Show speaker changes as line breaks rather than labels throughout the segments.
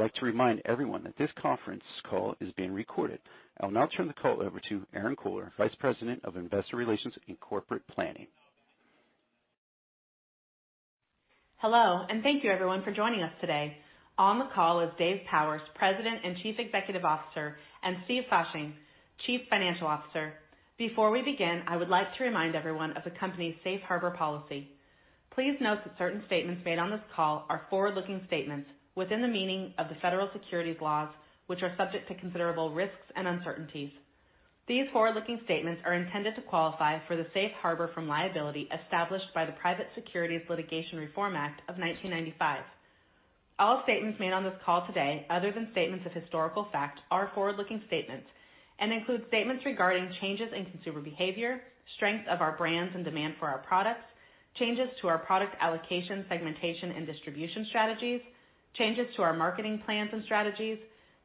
I'd like to remind everyone that this conference call is being recorded. I'll now turn the call over to Erinn Kohler, Vice President of Investor Relations and Corporate Planning.
Hello, and thank you everyone for joining us today. On the call is Dave Powers, President and Chief Executive Officer, and Steve Fasching, Chief Financial Officer. Before we begin, I would like to remind everyone of the company's safe harbor policy. Please note that certain statements made on this call are forward-looking statements within the meaning of the federal securities laws, which are subject to considerable risks and uncertainties. These forward-looking statements are intended to qualify for the safe harbor from liability established by the Private Securities Litigation Reform Act of 1995. All statements made on this call today, other than statements of historical fact, are forward-looking statements and include statements regarding changes in consumer behavior, strength of our brands, and demand for our products, changes to our product allocation, segmentation, and distribution strategies, changes to our marketing plans and strategies,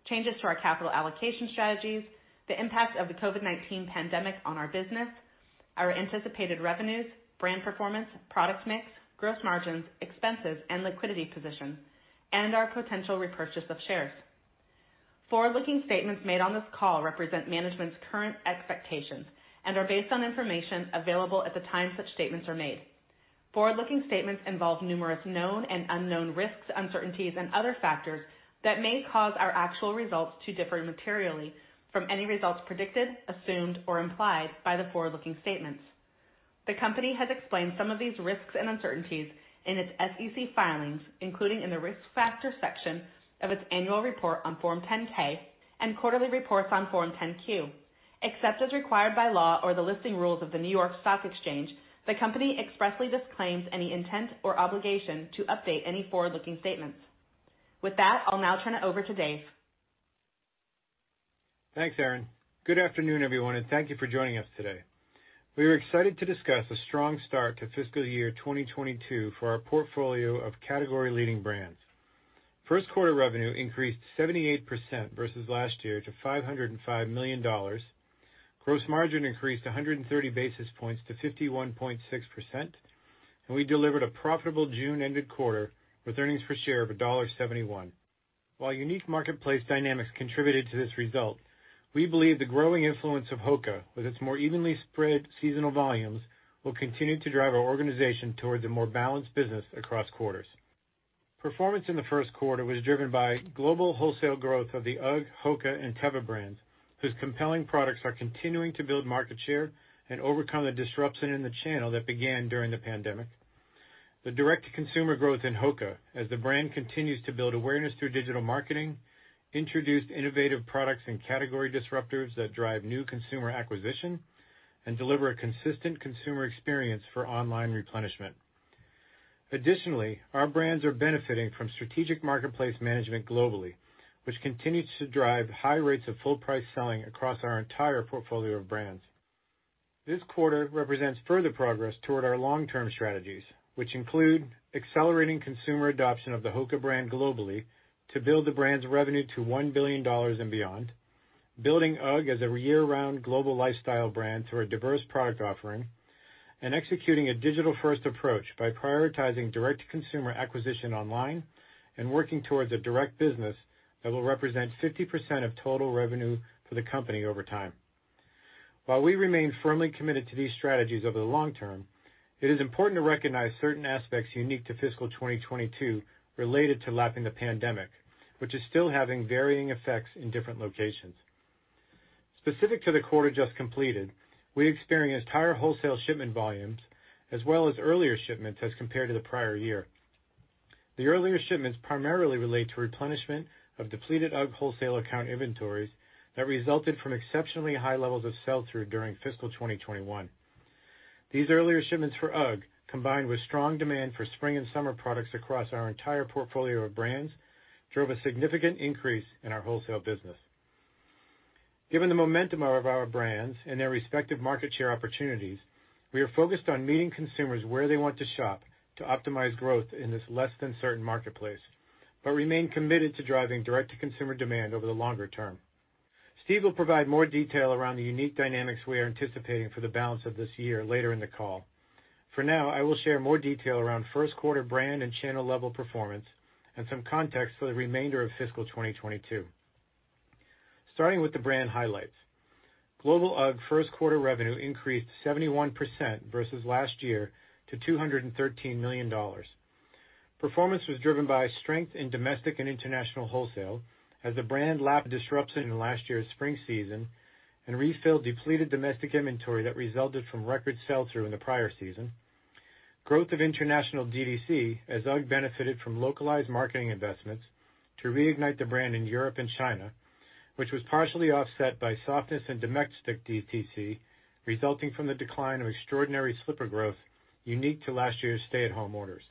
changes to our capital allocation strategies, the impact of the COVID-19 pandemic on our business, our anticipated revenues, brand performance, product mix, gross margins, expenses, and liquidity position, and our potential repurchase of shares. Forward-looking statements made on this call represent management's current expectations and are based on information available at the time such statements are made. Forward-looking statements involve numerous known and unknown risks, uncertainties, and other factors that may cause our actual results to differ materially from any results predicted, assumed, or implied by the forward-looking statements. The company has explained some of these risks and uncertainties in its SEC filings, including in the Risk Factors section of its annual report on Form 10-K and quarterly reports on Form 10-Q. Except as required by law or the listing rules of the New York Stock Exchange, the company expressly disclaims any intent or obligation to update any forward-looking statements. With that, I'll now turn it over to Dave.
Thanks, Erinn. Good afternoon, everyone, and thank you for joining us today. We are excited to discuss a strong start to fiscal year 2022 for our portfolio of category-leading brands. First quarter revenue increased 78% versus last year to $505 million. Gross margin increased 130 basis points to 51.6%, and we delivered a profitable June-ended quarter with earnings per share of $1.71. While unique marketplace dynamics contributed to this result, we believe the growing influence of HOKA, with its more evenly spread seasonal volumes, will continue to drive our organization towards a more balanced business across quarters. Performance in the first quarter was driven by global wholesale growth of the UGG, HOKA, and Teva brands, whose compelling products are continuing to build market share and overcome the disruption in the channel that began during the pandemic. The direct-to-consumer growth in HOKA as the brand continues to build awareness through digital marketing, introduced innovative products and category disruptors that drive new consumer acquisition and deliver a consistent consumer experience for online replenishment. Additionally, our brands are benefiting from strategic marketplace management globally, which continues to drive high rates of full price selling across our entire portfolio of brands. This quarter represents further progress toward our long-term strategies, which include accelerating consumer adoption of the HOKA brand globally to build the brand's revenue to $1 billion and beyond, building UGG as a year-round global lifestyle brand through a diverse product offering, and executing a digital-first approach by prioritizing direct-to-consumer acquisition online and working towards a direct business that will represent 50% of total revenue for the company over time. While we remain firmly committed to these strategies over the long term, it is important to recognize certain aspects unique to fiscal 2022 related to lapping the pandemic, which is still having varying effects in different locations. Specific to the quarter just completed, we experienced higher wholesale shipment volumes as well as earlier shipments as compared to the prior year. The earlier shipments primarily relate to replenishment of depleted UGG wholesale account inventories that resulted from exceptionally high levels of sell-through during fiscal 2021. These earlier shipments for UGG, combined with strong demand for spring and summer products across our entire portfolio of brands, drove a significant increase in our wholesale business. Given the momentum of our brands and their respective market share opportunities, we are focused on meeting consumers where they want to shop to optimize growth in this less than certain marketplace, but remain committed to driving direct-to-consumer demand over the longer term. Steve will provide more detail around the unique dynamics we are anticipating for the balance of this year later in the call. For now, I will share more detail around first-quarter brand and channel level performance and some context for the remainder of fiscal 2022. Starting with the brand highlights. Global UGG first-quarter revenue increased 71% versus last year to $213 million. Performance was driven by strength in domestic and international wholesale as the brand lapped disruption in last year's spring season and refilled depleted domestic inventory that resulted from record sell-through in the prior season. Growth of international DTC as UGG benefited from localized marketing investments to reignite the brand in Europe and China, which was partially offset by softness in domestic DTC, resulting from the decline of extraordinary slipper growth unique to last year's stay-at-home orders.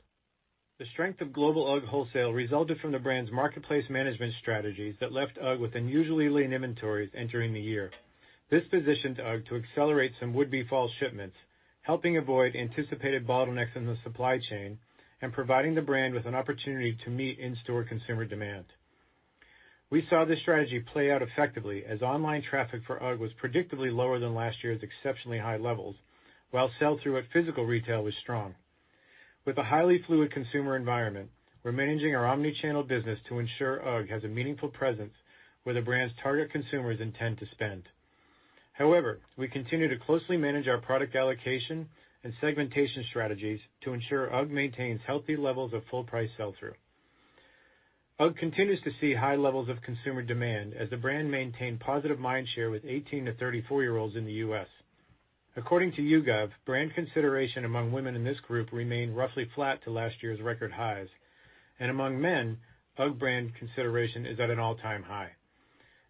The strength of global UGG wholesale resulted from the brand's marketplace management strategies that left UGG with unusually lean inventories entering the year. This positioned UGG to accelerate some would-be fall shipments, helping avoid anticipated bottlenecks in the supply chain and providing the brand with an opportunity to meet in-store consumer demand. We saw this strategy play out effectively as online traffic for UGG was predictably lower than last year's exceptionally high levels, while sell-through at physical retail was strong. With the highly fluid consumer environment, we're managing our omni-channel business to ensure UGG has a meaningful presence where the brand's target consumers intend to spend. However, we continue to closely manage our product allocation and segmentation strategies to ensure UGG maintains healthy levels of full price sell-through. UGG continues to see high levels of consumer demand as the brand maintained positive mind share with 18 to 34-year-olds in the U.S. According to YouGov, brand consideration among women in this group remained roughly flat to last year's record highs. Among men, UGG brand consideration is at an all-time high.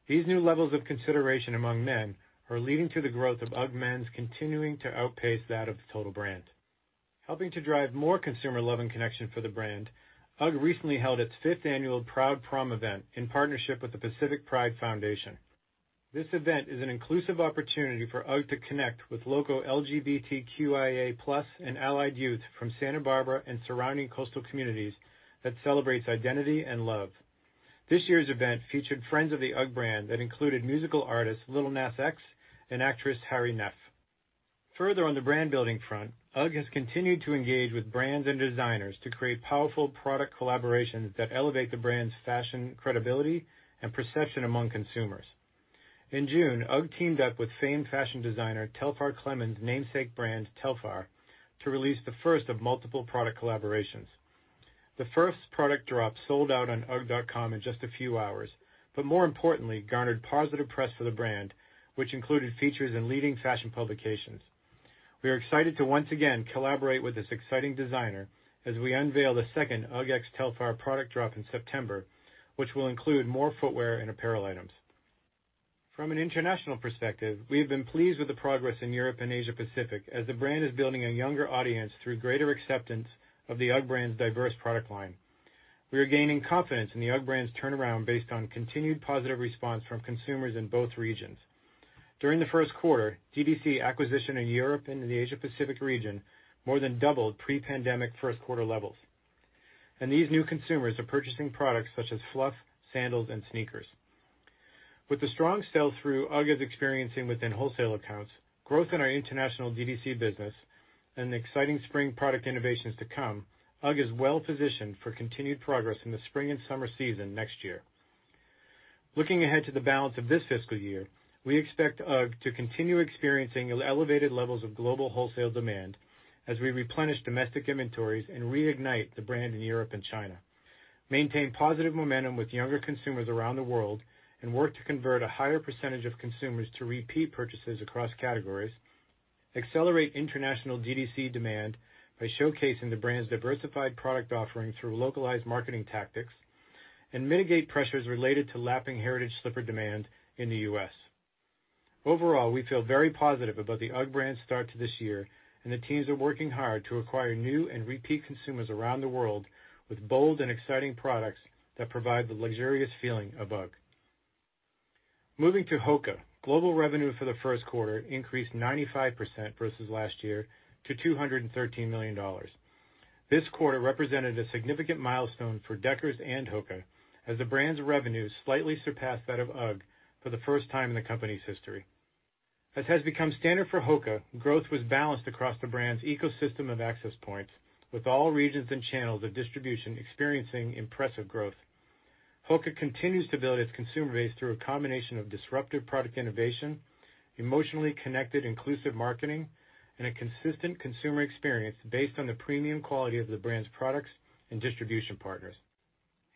These new levels of consideration among men are leading to the growth of UGG men's continuing to outpace that of the total brand. Helping to drive more consumer love and connection for the brand, UGG recently held its fifth annual PROUD Prom event in partnership with the Pacific Pride Foundation. This event is an inclusive opportunity for UGG to connect with local LGBTQIA+ and allied youth from Santa Barbara and surrounding coastal communities that celebrates identity and love. This year's event featured friends of the UGG brand that included musical artist Lil Nas X and actress Hari Nef. Further on the brand-building front, UGG has continued to engage with brands and designers to create powerful product collaborations that elevate the brand's fashion credibility and perception among consumers. In June, UGG teamed up with famed fashion designer Telfar Clemens' namesake brand, Telfar, to release the first of multiple product collaborations. The first product drop sold out on ugg.com in just a few hours, but more importantly, garnered positive press for the brand, which included features in leading fashion publications. We are excited to once again collaborate with this exciting designer as we unveil the second UGG x Telfar product drop in September, which will include more footwear and apparel items. From an international perspective, we have been pleased with the progress in Europe and Asia Pacific as the brand is building a younger audience through greater acceptance of the UGG brand's diverse product line. We are gaining confidence in the UGG brand's turnaround based on continued positive response from consumers in both regions. During the first quarter, DTC acquisition in Europe and in the Asia Pacific region more than doubled pre-pandemic first quarter levels. These new consumers are purchasing products such as Fluff, sandals, and sneakers. With the strong sell-through UGG is experiencing within wholesale accounts, growth in our international DTC business, and the exciting spring product innovations to come, UGG is well-positioned for continued progress in the spring and summer season next year. Looking ahead to the balance of this fiscal year, we expect UGG to continue experiencing elevated levels of global wholesale demand as we replenish domestic inventories and reignite the brand in Europe and China, maintain positive momentum with younger consumers around the world, and work to convert a higher percentage of consumers to repeat purchases across categories, accelerate international DTC demand by showcasing the brand's diversified product offerings through localized marketing tactics, and mitigate pressures related to lapping heritage slipper demand in the U.S. Overall, we feel very positive about the UGG brand's start to this year, and the teams are working hard to acquire new and repeat consumers around the world with bold and exciting products that provide the luxurious feeling of UGG. Moving to HOKA. Global revenue for the first quarter increased 95% versus last year to $213 million. This quarter represented a significant milestone for Deckers and HOKA as the brand's revenues slightly surpassed that of UGG for the first time in the company's history. As has become standard for HOKA, growth was balanced across the brand's ecosystem of access points, with all regions and channels of distribution experiencing impressive growth. HOKA continues to build its consumer base through a combination of disruptive product innovation, emotionally connected inclusive marketing, and a consistent consumer experience based on the premium quality of the brand's products and distribution partners.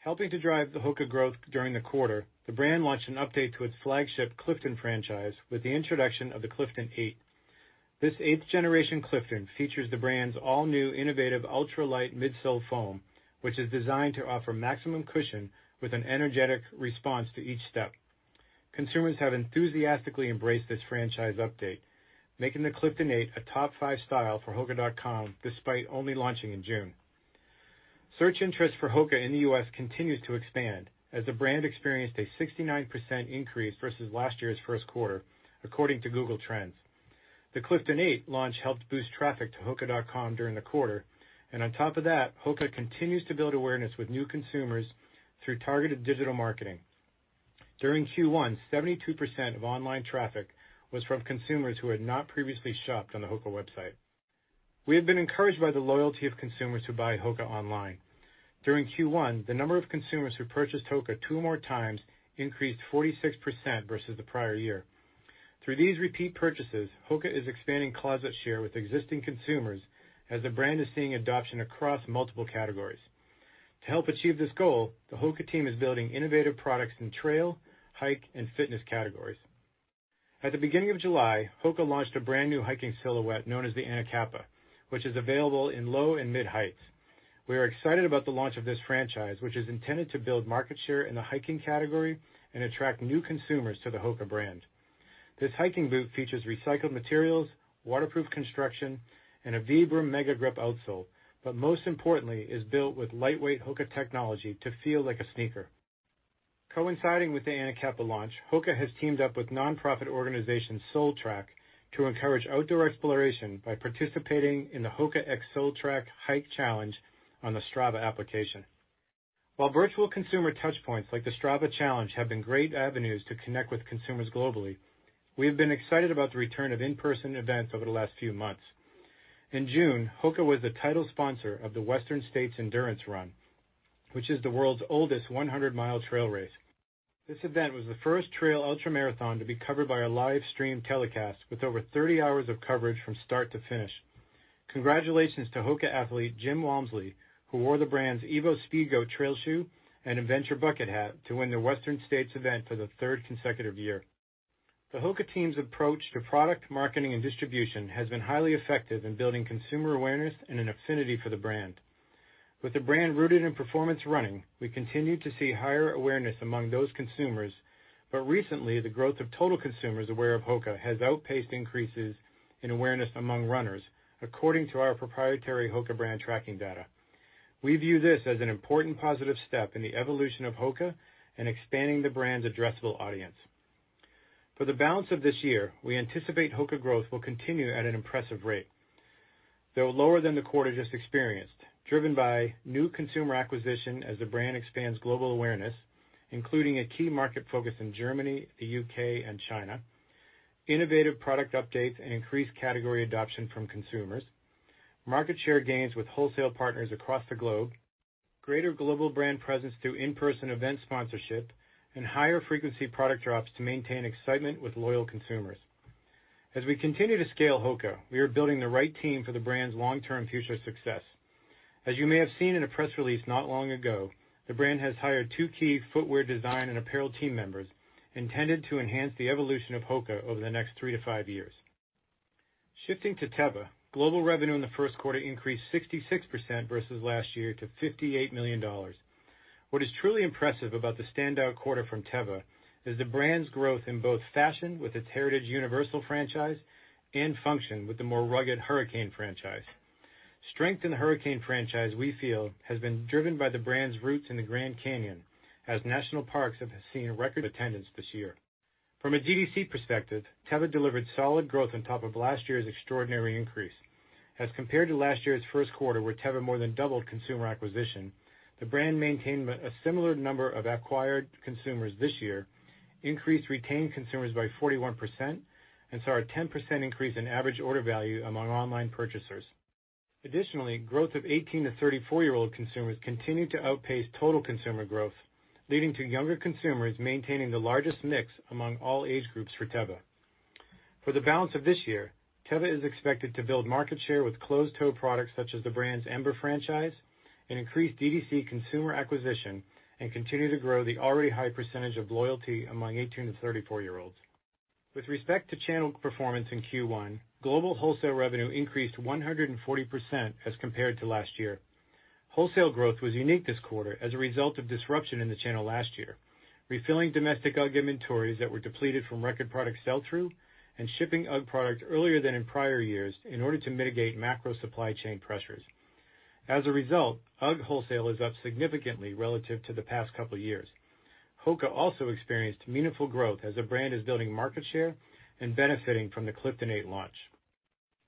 Helping to drive the HOKA growth during the quarter, the brand launched an update to its flagship Clifton franchise with the introduction of the Clifton 8. This eighth generation Clifton features the brand's all-new innovative ultra-light midsole foam, which is designed to offer maximum cushion with an energetic response to each step. Consumers have enthusiastically embraced this franchise update, making the Clifton 8 a top five style for hoka.com, despite only launching in June. Search interest for HOKA in the U.S. continues to expand as the brand experienced a 69% increase versus last year's first quarter, according to Google Trends. The Clifton 8 launch helped boost traffic to hoka.com during the quarter. On top of that, HOKA continues to build awareness with new consumers through targeted digital marketing. During Q1, 72% of online traffic was from consumers who had not previously shopped on the HOKA website. We have been encouraged by the loyalty of consumers who buy HOKA online. During Q1, the number of consumers who purchased HOKA two or more times increased 46% versus the prior year. Through these repeat purchases, HOKA is expanding closet share with existing consumers as the brand is seeing adoption across multiple categories. To help achieve this goal, the HOKA team is building innovative products in trail, hike, and fitness categories. At the beginning of July, HOKA launched a brand-new hiking silhouette known as the Anacapa, which is available in low and mid heights. We are excited about the launch of this franchise, which is intended to build market share in the hiking category and attract new consumers to the HOKA brand. This hiking boot features recycled materials, waterproof construction, and a Vibram Megagrip outsole, but most importantly, is built with lightweight HOKA technology to feel like a sneaker. Coinciding with the Anacapa launch, HOKA has teamed up with nonprofit organization Soul Trak to encourage outdoor exploration by participating in the HOKA x Strava Solstice Trail on the Strava application. While virtual consumer touchpoints like the Strava Challenge have been great avenues to connect with consumers globally, we have been excited about the return of in-person events over the last few months. In June, HOKA was the title sponsor of the Western States Endurance Run, which is the world's oldest 100 mi trail race. This event was the first trail ultramarathon to be covered by a live stream telecast, with over 30 hours of coverage from start to finish. Congratulations to HOKA athlete Jim Walmsley, who wore the brand's Evo Speedgoat trail shoe and Adventure bucket hat to win the Western States event for the third consecutive year. The HOKA team's approach to product marketing and distribution has been highly effective in building consumer awareness and an affinity for the brand. With the brand rooted in performance running, we continue to see higher awareness among those consumers, but recently the growth of total consumers aware of HOKA has outpaced increases in awareness among runners, according to our proprietary HOKA brand tracking data. We view this as an important positive step in the evolution of HOKA and expanding the brand's addressable audience. For the balance of this year, we anticipate HOKA growth will continue at an impressive rate, though lower than the quarter just experienced, driven by new consumer acquisition as the brand expands global awareness, including a key market focus in Germany, the U.K., and China, innovative product updates, and increased category adoption from consumers, market share gains with wholesale partners across the globe, greater global brand presence through in-person event sponsorship, and higher frequency product drops to maintain excitement with loyal consumers. As we continue to scale HOKA, we are building the right team for the brand's long-term future success. As you may have seen in a press release not long ago, the brand has hired two key footwear design and apparel team members intended to enhance the evolution of HOKA over the next three to five years. Shifting to Teva, global revenue in the first quarter increased 66% versus last year to $58 million. What is truly impressive about the standout quarter from Teva is the brand's growth in both fashion, with its heritage Universal franchise, and function, with the more rugged Hurricane franchise. Strength in the Hurricane franchise, we feel, has been driven by the brand's roots in the Grand Canyon, as national parks have seen record attendance this year. From a DTC perspective, Teva delivered solid growth on top of last year's extraordinary increase. As compared to last year's first quarter, where Teva more than doubled consumer acquisition, the brand maintained a similar number of acquired consumers this year, increased retained consumers by 41%, and saw a 10% increase in average order value among online purchasers. Additionally, growth of 18 to 34-year-old consumers continued to outpace total consumer growth, leading to younger consumers maintaining the largest mix among all age groups for Teva. For the balance of this year, Teva is expected to build market share with closed-toe products such as the brand's Ember franchise and increase DTC consumer acquisition, and continue to grow the already high percentage of loyalty among 18 to 34-year-olds. With respect to channel performance in Q1, global wholesale revenue increased 140% as compared to last year. Wholesale growth was unique this quarter as a result of disruption in the channel last year, refilling domestic UGG inventories that were depleted from record product sell-through, and shipping UGG product earlier than in prior years in order to mitigate macro supply chain pressures. As a result, UGG wholesale is up significantly relative to the past couple of years. HOKA also experienced meaningful growth as the brand is building market share and benefiting from the Clifton 8 launch.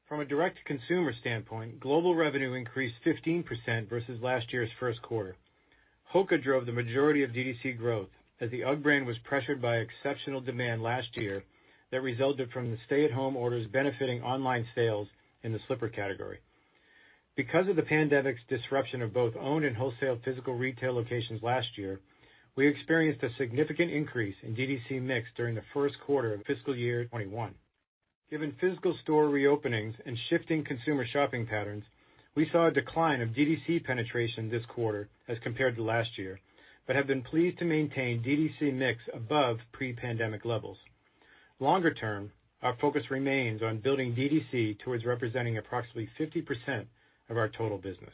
From a direct-to-consumer standpoint, global revenue increased 15% versus last year's first quarter. HOKA drove the majority of DTC growth as the UGG brand was pressured by exceptional demand last year that resulted from the stay-at-home orders benefiting online sales in the slipper category. Because of the pandemic's disruption of both owned and wholesale physical retail locations last year, we experienced a significant increase in DTC mix during the first quarter of fiscal year 2021. Given physical store reopenings and shifting consumer shopping patterns, we saw a decline of DTC penetration this quarter as compared to last year, but have been pleased to maintain DTC mix above pre-pandemic levels. Longer term, our focus remains on building DTC towards representing approximately 50% of our total business.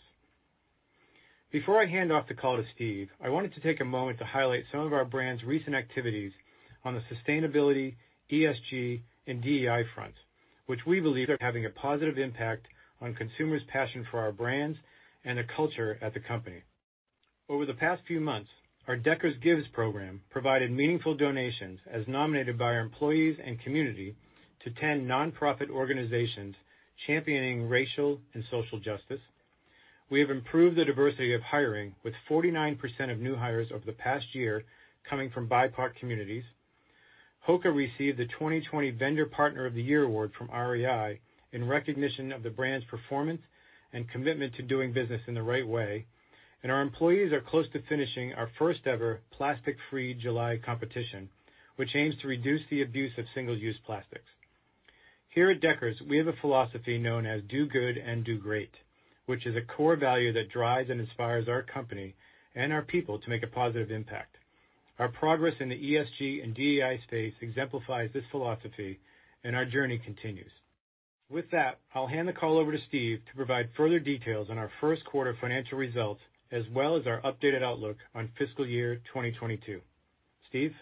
Before I hand off the call to Steve, I wanted to take a moment to highlight some of our brands' recent activities on the sustainability, ESG, and DEI fronts, which we believe are having a positive impact on consumers' passion for our brands and the culture at the company. Over the past few months, our Deckers Gives program provided meaningful donations, as nominated by our employees and community, to 10 nonprofit organizations championing racial and social justice. We have improved the diversity of hiring, with 49% of new hires over the past year coming from BIPOC communities. HOKA received the 2020 Vendor Partner of the Year award from REI in recognition of the brand's performance and commitment to doing business in the right way. Our employees are close to finishing our first ever Plastic-Free July competition, which aims to reduce the abuse of single-use plastics. Here at Deckers, we have a philosophy known as Do Good and Do Great, which is a core value that drives and inspires our company and our people to make a positive impact. Our progress in the ESG and DEI space exemplifies this philosophy, and our journey continues. With that, I'll hand the call over to Steve to provide further details on our first quarter financial results, as well as our updated outlook on fiscal year 2022. Steve?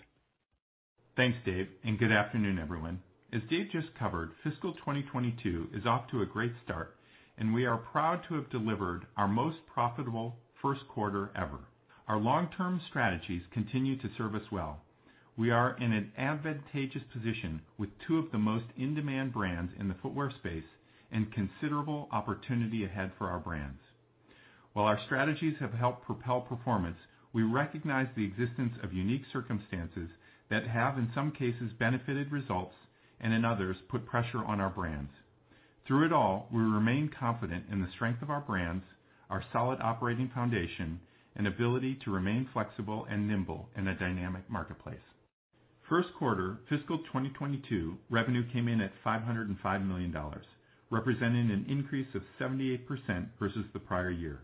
Thanks, Dave. Good afternoon, everyone. As Dave just covered, fiscal 2022 is off to a great start, and we are proud to have delivered our most profitable first quarter ever. Our long-term strategies continue to serve us well. We are in an advantageous position with two of the most in-demand brands in the footwear space and considerable opportunity ahead for our brands. While our strategies have helped propel performance, we recognize the existence of unique circumstances that have, in some cases, benefited results, and in others, put pressure on our brands. Through it all, we remain confident in the strength of our brands, our solid operating foundation, and ability to remain flexible and nimble in a dynamic marketplace. First quarter fiscal 2022 revenue came in at $505 million, representing an increase of 78% versus the prior year.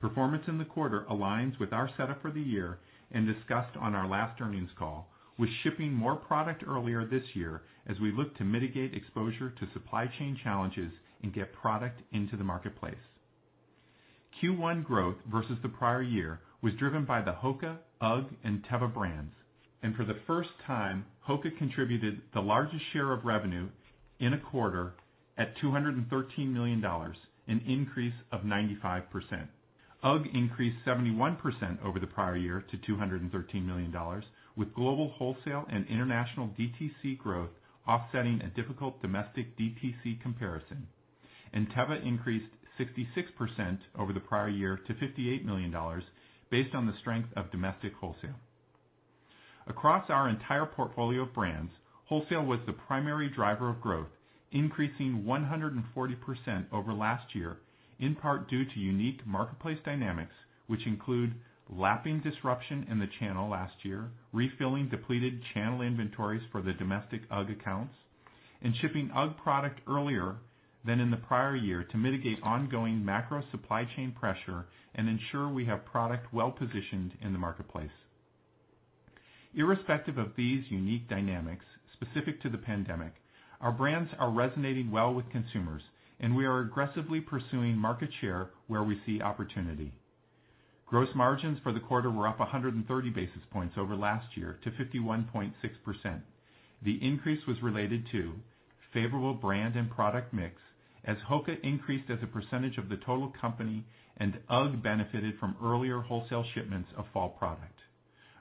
Performance in the quarter aligns with our setup for the year and discussed on our last earnings call, with shipping more product earlier this year as we look to mitigate exposure to supply chain challenges and get product into the marketplace. Q1 growth versus the prior year was driven by the HOKA, UGG, and Teva brands. For the first time, HOKA contributed the largest share of revenue in a quarter at $213 million, an increase of 95%. UGG increased 71% over the prior year to $213 million, with global wholesale and international DTC growth offsetting a difficult domestic DTC comparison. Teva increased 66% over the prior year to $58 million, based on the strength of domestic wholesale. Across our entire portfolio of brands, wholesale was the primary driver of growth, increasing 140% over last year, in part due to unique marketplace dynamics, which include lapping disruption in the channel last year, refilling depleted channel inventories for the domestic UGG accounts, and shipping UGG product earlier than in the prior year to mitigate ongoing macro supply chain pressure and ensure we have product well-positioned in the marketplace. Irrespective of these unique dynamics specific to the pandemic, our brands are resonating well with consumers, and we are aggressively pursuing market share where we see opportunity. Gross margins for the quarter were up 130 basis points over last year to 51.6%. The increase was related to favorable brand and product mix as HOKA increased as a percentage of the total company and UGG benefited from earlier wholesale shipments of fall product.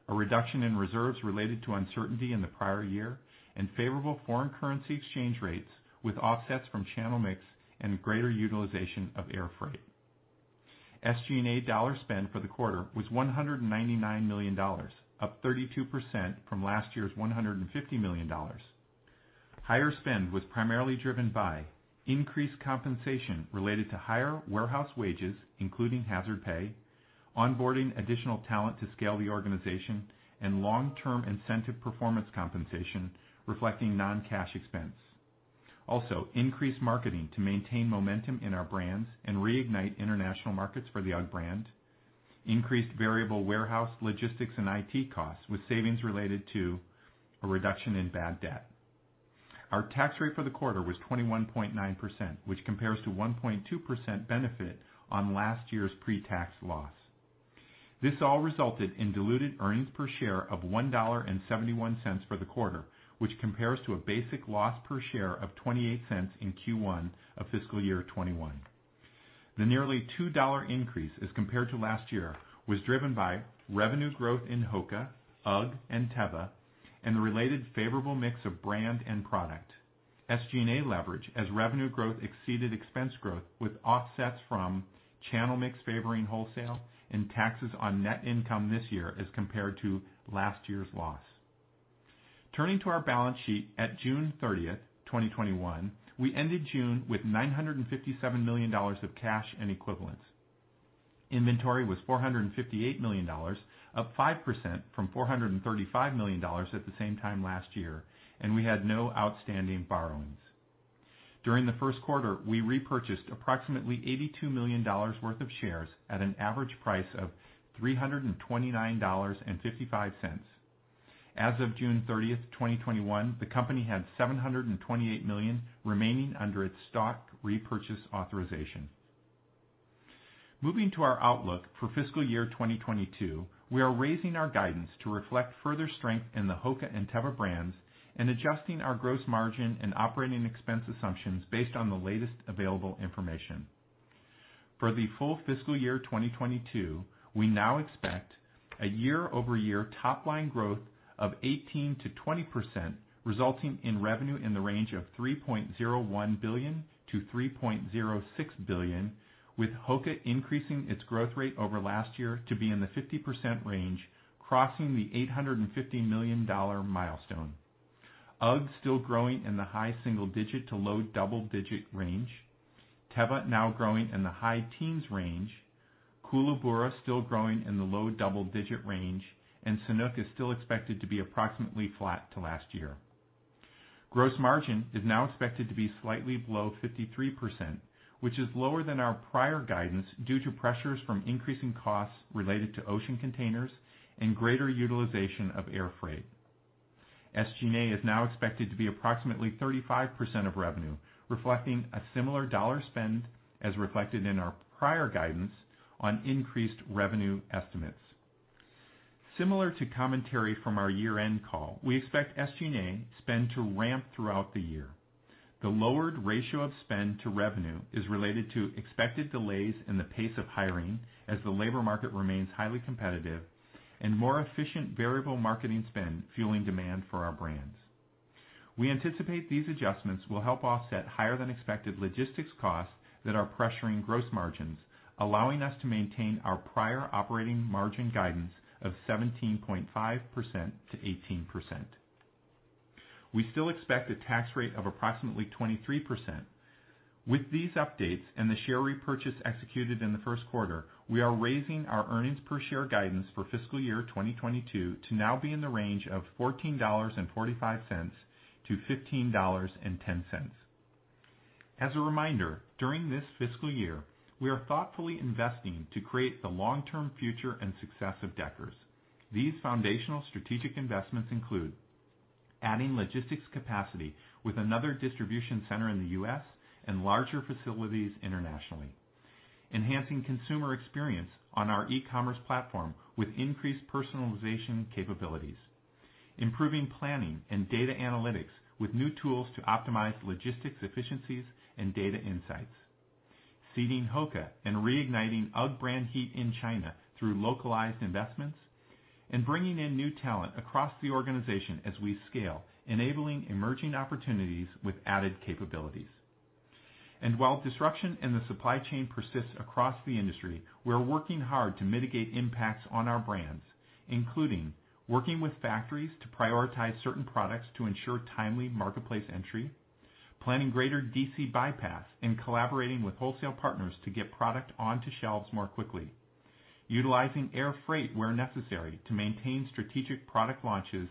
A reduction in reserves related to uncertainty in the prior year and favorable foreign currency exchange rates, with offsets from channel mix and greater utilization of air freight. SG&A dollar spend for the quarter was $199 million, up 32% from last year's $150 million. Higher spend was primarily driven by increased compensation related to higher warehouse wages, including hazard pay, onboarding additional talent to scale the organization, and long-term incentive performance compensation reflecting non-cash expense. Increased marketing to maintain momentum in our brands and reignite international markets for the UGG brand. Increased variable warehouse logistics and IT costs with savings related to a reduction in bad debt. Our tax rate for the quarter was 21.9%, which compares to 1.2% benefit on last year's pre-tax loss. This all resulted in diluted earnings per share of $1.71 for the quarter, which compares to a basic loss per share of $0.28 in Q1 of fiscal year 2021. The nearly $2 increase as compared to last year was driven by revenue growth in HOKA, UGG, and Teva, and the related favorable mix of brand and product. SG&A leverage as revenue growth exceeded expense growth, with offsets from channel mix favoring wholesale and taxes on net income this year as compared to last year's loss. Turning to our balance sheet at June 30th, 2021, we ended June with $957 million of cash and equivalents. Inventory was $458 million, up 5% from $435 million at the same time last year, and we had no outstanding borrowings. During the first quarter, we repurchased approximately $82 million worth of shares at an average price of $329.55. As of June 30th, 2021, the company had $728 million remaining under its stock repurchase authorization. Moving to our outlook for fiscal year 2022, we are raising our guidance to reflect further strength in the HOKA and Teva brands and adjusting our gross margin and operating expense assumptions based on the latest available information. For the full fiscal year 2022, we now expect a year-over-year top-line growth of 18%-20%, resulting in revenue in the range of $3.01 billion-$3.06 billion, with HOKA increasing its growth rate over last year to be in the 50% range, crossing the $850 million milestone. UGG still growing in the high single digit to low double-digit range. Teva now growing in the high teens range. Koolaburra still growing in the low double-digit range, and Sanuk is still expected to be approximately flat to last year. Gross margin is now expected to be slightly below 53%, which is lower than our prior guidance due to pressures from increasing costs related to ocean containers and greater utilization of air freight. SG&A is now expected to be approximately 35% of revenue, reflecting a similar dollar spend as reflected in our prior guidance on increased revenue estimates. Similar to commentary from our year-end call, we expect SG&A spend to ramp throughout the year. The lowered ratio of spend to revenue is related to expected delays in the pace of hiring, as the labor market remains highly competitive, and more efficient variable marketing spend fueling demand for our brands. We anticipate these adjustments will help offset higher than expected logistics costs that are pressuring gross margins, allowing us to maintain our prior operating margin guidance of 17.5%-18%. We still expect a tax rate of approximately 23%. With these updates and the share repurchase executed in the first quarter, we are raising our earnings per share guidance for fiscal year 2022 to now be in the range of $14.45-$15.10. As a reminder, during this fiscal year, we are thoughtfully investing to create the long-term future and success of Deckers. These foundational strategic investments include adding logistics capacity with another distribution center in the U.S. and larger facilities internationally, enhancing consumer experience on our e-commerce platform with increased personalization capabilities, improving planning and data analytics with new tools to optimize logistics efficiencies and data insights, seeding HOKA and reigniting UGG brand heat in China through localized investments, and bringing in new talent across the organization as we scale, enabling emerging opportunities with added capabilities. While disruption in the supply chain persists across the industry, we're working hard to mitigate impacts on our brands, including working with factories to prioritize certain products to ensure timely marketplace entry, planning greater DC bypass, collaborating with wholesale partners to get product onto shelves more quickly, utilizing air freight where necessary to maintain strategic product launches,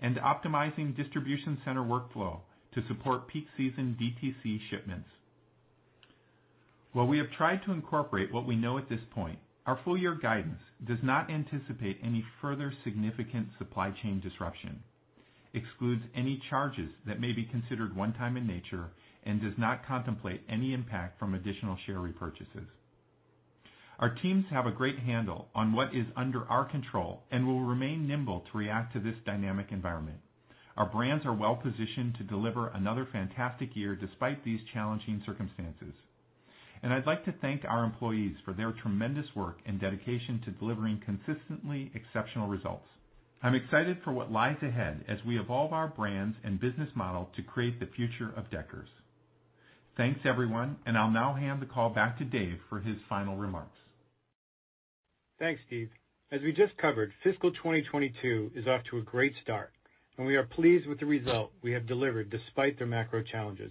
and optimizing distribution center workflow to support peak season DTC shipments. While we have tried to incorporate what we know at this point, our full year guidance does not anticipate any further significant supply chain disruption, excludes any charges that may be considered one time in nature, and does not contemplate any impact from additional share repurchases. Our teams have a great handle on what is under our control and will remain nimble to react to this dynamic environment. Our brands are well-positioned to deliver another fantastic year despite these challenging circumstances. I'd like to thank our employees for their tremendous work and dedication to delivering consistently exceptional results. I'm excited for what lies ahead as we evolve our brands and business model to create the future of Deckers. Thanks, everyone, and I'll now hand the call back to Dave for his final remarks.
Thanks, Steve. As we just covered, fiscal 2022 is off to a great start, and we are pleased with the result we have delivered despite the macro challenges.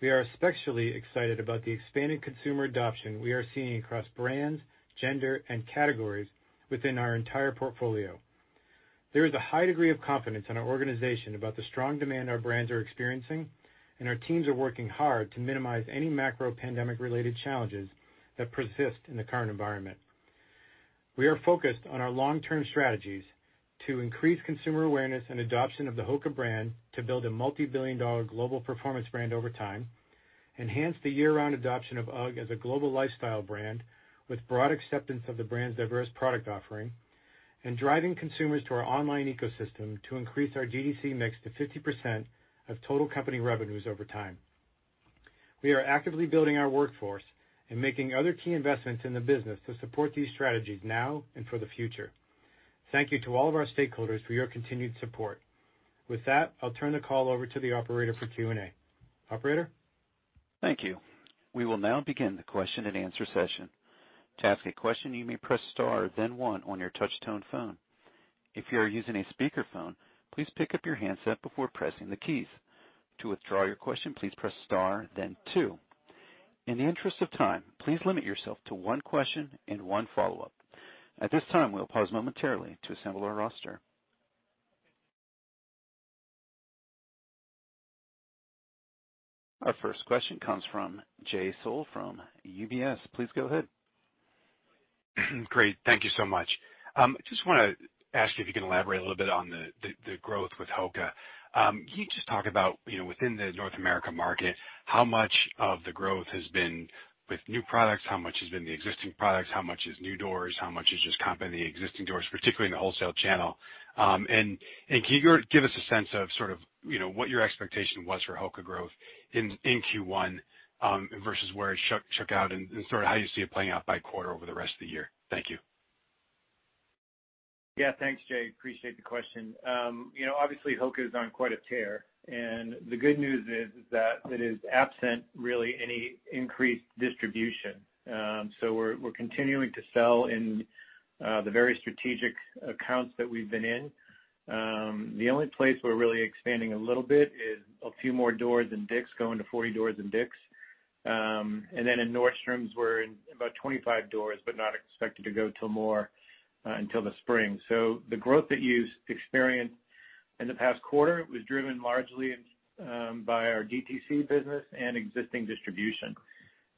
We are especially excited about the expanding consumer adoption we are seeing across brands, gender, and categories within our entire portfolio. There is a high degree of confidence in our organization about the strong demand our brands are experiencing, and our teams are working hard to minimize any macro pandemic-related challenges that persist in the current environment. We are focused on our long-term strategies to increase consumer awareness and adoption of the HOKA brand to build a multi-billion dollar global performance brand over time, enhance the year-round adoption of UGG as a global lifestyle brand with broad acceptance of the brand's diverse product offering, and driving consumers to our online ecosystem to increase our DTC mix to 50% of total company revenues over time. We are actively building our workforce and making other key investments in the business to support these strategies now and for the future. Thank you to all of our stakeholders for your continued support. With that, I'll turn the call over to the operator for Q&A. Operator?
Thank you. We will now begin the question and answer session. To ask the question you may press star then one on your touchtone phone. If you are using a speaker phone please pick up your handset before pressing the keys. To withdraw your question please press star then two. In interest of time, please limit yourself to one question and one follow-up. At this time, we'll pause momentarily to assemble our roster. Our first question comes from Jay Sole from UBS. Please go ahead.
Great. Thank you so much. I just want to ask you if you can elaborate a little bit on the growth with HOKA. Can you just talk about within the North America market, how much of the growth has been with new products, how much has been the existing products, how much is new doors, how much is just comping the existing doors, particularly in the wholesale channel? Can you give us a sense of what your expectation was for HOKA growth in Q1 versus where it shook out and how you see it playing out by quarter over the rest of the year? Thank you.
Thanks, Jay. Appreciate the question. Obviously, HOKA is on quite a tear, and the good news is that it is absent, really, any increased distribution. We're continuing to sell in the very strategic accounts that we've been in. The only place we're really expanding a little bit is a few more doors in Dick's, going to 40 doors in Dick's. In Nordstrom, we're in about 25 doors, but not expected to go to more until the spring. The growth that you experienced in the past quarter was driven largely by our DTC business and existing distribution.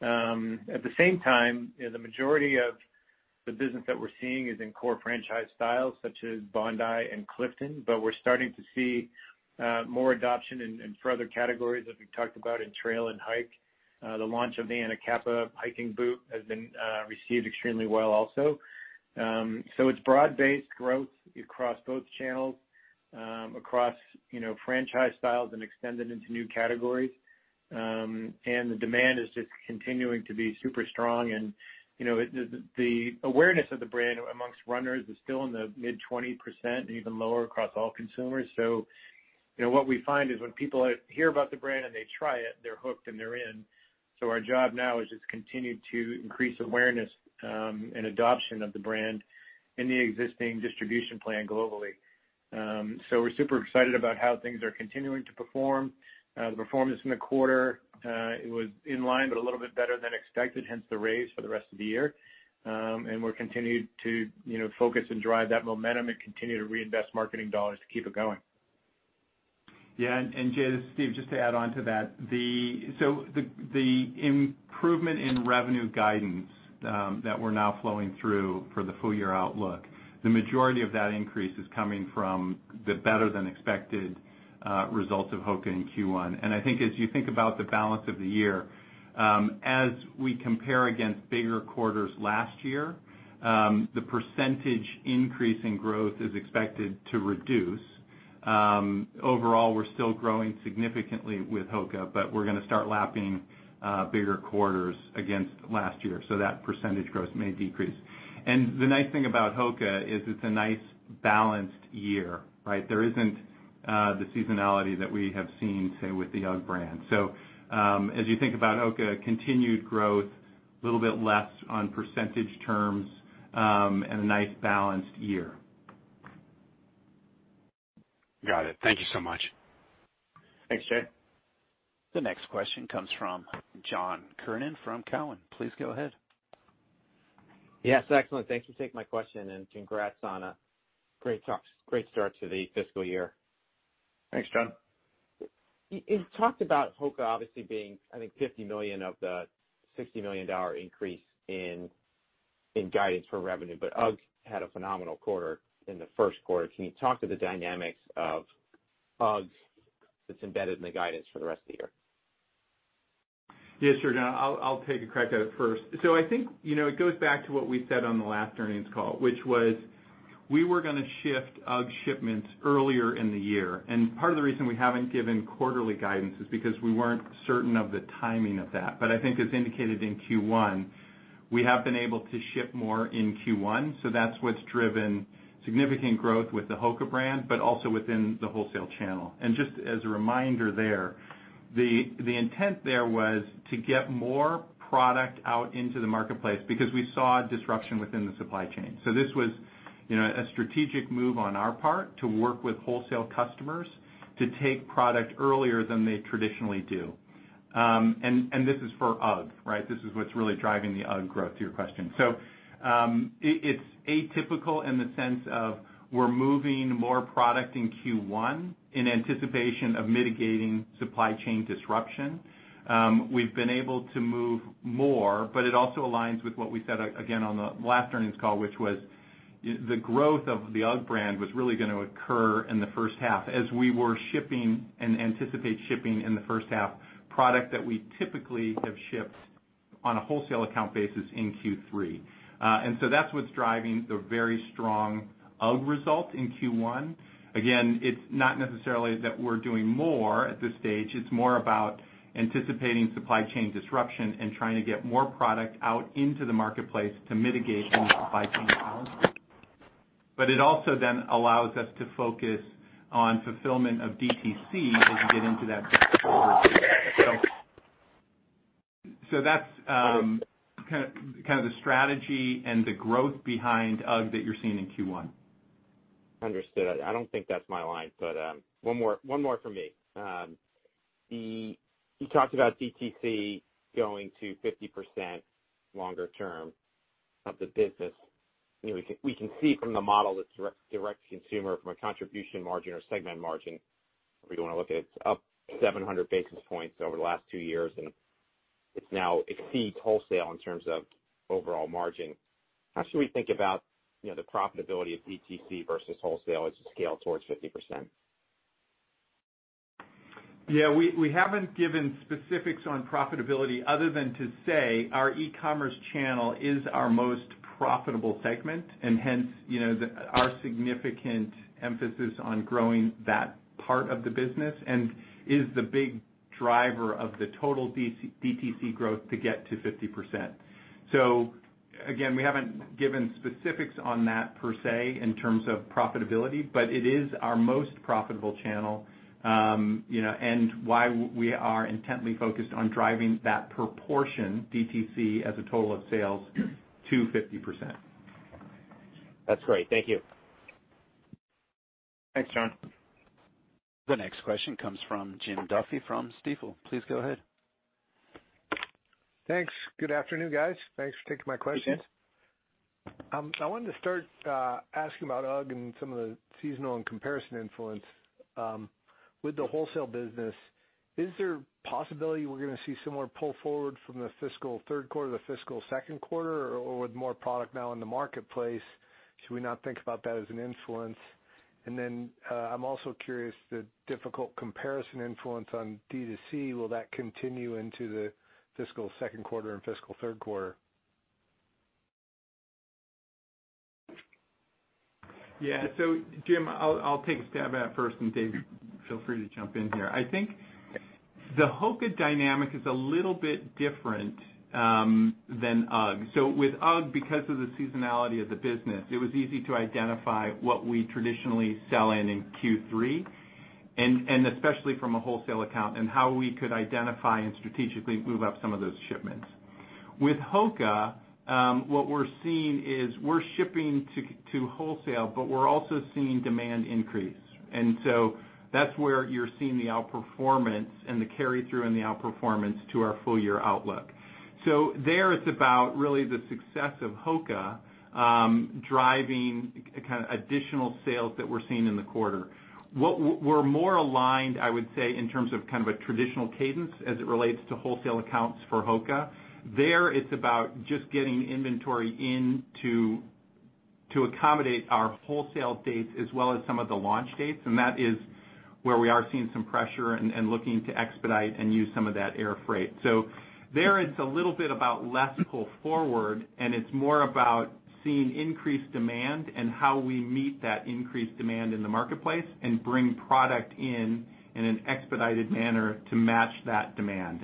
At the same time, the majority of the business that we're seeing is in core franchise styles such as Bondi and Clifton, but we're starting to see more adoption in further categories as we've talked about in trail and hike. The launch of the Anacapa hiking boot has been received extremely well also. It's broad-based growth across both channels, across franchise styles and extended into new categories. The demand is just continuing to be super strong. The awareness of the brand amongst runners is still in the mid-20%, even lower across all consumers. What we find is when people hear about the brand and they try it, they're hooked, and they're in. Our job now is just continue to increase awareness and adoption of the brand in the existing distribution plan globally. We're super excited about how things are continuing to perform. The performance in the quarter, it was in line, but a little bit better than expected, hence the raise for the rest of the year. We're continued to focus and drive that momentum and continue to reinvest marketing dollars to keep it going.
Yeah. Jay, this is Steve, just to add onto that. The improvement in revenue guidance that we're now flowing through for the full year outlook, the majority of that increase is coming from the better than expected results of HOKA in Q1. I think as you think about the balance of the year, as we compare against bigger quarters last year, the percentage increase in growth is expected to reduce. Overall, we're still growing significantly with HOKA, but we're going to start lapping bigger quarters against last year, so that percentage growth may decrease. The nice thing about HOKA is it's a nice balanced year, right? There isn't the seasonality that we have seen, say, with the UGG brand. As you think about HOKA, continued growth, a little bit less on percentage terms, and a nice balanced year.
Got it. Thank you so much.
Thanks, Jay.
The next question comes from John Kernan from Cowen. Please go ahead.
Yes, excellent. Thank you for taking my question and congrats on a great start to the fiscal year.
Thanks, John.
You talked about HOKA obviously being, I think, $50 million of the $60 million increase in guidance for revenue, but UGG had a phenomenal quarter in the first quarter. Can you talk to the dynamics of UGG that's embedded in the guidance for the rest of the year?
Yeah, sure, John. I'll take a crack at it first. I think it goes back to what we said on the last earnings call, which was we were going to shift UGG shipments earlier in the year. Part of the reason we haven't given quarterly guidance is because we weren't certain of the timing of that. I think as indicated in Q1, we have been able to ship more in Q1, so that's what's driven significant growth with the HOKA brand, but also within the wholesale channel. Just as a reminder there, the intent there was to get more product out into the marketplace because we saw disruption within the supply chain. This was a strategic move on our part to work with wholesale customers to take product earlier than they traditionally do. This is for UGG, right? This is what's really driving the UGG growth, to your question. It's atypical in the sense of we're moving more product in Q1 in anticipation of mitigating supply chain disruption. We've been able to move more, it also aligns with what we said, again, on the last earnings call, which was the growth of the UGG brand was really going to occur in the first half as we were shipping and anticipate shipping in the first half product that we typically have shipped on a wholesale account basis in Q3. That's what's driving the very strong UGG result in Q1. Again, it's not necessarily that we're doing more at this stage. It's more about anticipating supply chain disruption and trying to get more product out into the marketplace to mitigate any supply chain challenges. It also then allows us to focus on fulfillment of DTC as we get into that. That's kind of the strategy and the growth behind UGG that you're seeing in Q1.
Understood. I don't think that's my line, but one more from me. You talked about DTC going to 50% longer term of the business. We can see from the model that direct consumer from a contribution margin or segment margin, if we want to look at it's up 700 basis points over the last two years, and it now exceeds wholesale in terms of overall margin. How should we think about the profitability of DTC versus wholesale as you scale towards 50%?
Yeah. We haven't given specifics on profitability other than to say our e-commerce channel is our most profitable segment, and hence, our significant emphasis on growing that part of the business and is the big driver of the total DTC growth to get to 50%. Again, we haven't given specifics on that per se in terms of profitability, but it is our most profitable channel, and why we are intently focused on driving that proportion DTC as a total of sales to 50%.
That's great. Thank you.
Thanks, John.
The next question comes from Jim Duffy from Stifel. Please go ahead.
Thanks. Good afternoon, guys. Thanks for taking my questions.
Hey, Jim.
I wanted to start asking about UGG and some of the seasonal and comparison influence. With the wholesale business, is there a possibility we're going to see similar pull forward from the fiscal third quarter to fiscal second quarter, or with more product now in the marketplace, should we not think about that as an influence? I'm also curious, the difficult comparison influence on D2C, will that continue into the fiscal second quarter and fiscal third quarter?
Jim, I'll take a stab at it first, and Dave, feel free to jump in here. I think the HOKA dynamic is a little bit different than UGG. With UGG, because of the seasonality of the business, it was easy to identify what we traditionally sell in Q3, and especially from a wholesale account, and how we could identify and strategically move up some of those shipments. With HOKA, what we're seeing is we're shipping to wholesale, but we're also seeing demand increase. That's where you're seeing the outperformance and the carry-through and the outperformance to our full-year outlook. There, it's about really the success of HOKA driving additional sales that we're seeing in the quarter. What we're more aligned, I would say, in terms of a traditional cadence as it relates to wholesale accounts for HOKA, there it's about just getting inventory in to accommodate our wholesale dates as well as some of the launch dates, that is where we are seeing some pressure and looking to expedite and use some of that air freight. There it's a little bit about less pull forward, and it's more about seeing increased demand and how we meet that increased demand in the marketplace and bring product in in an expedited manner to match that demand.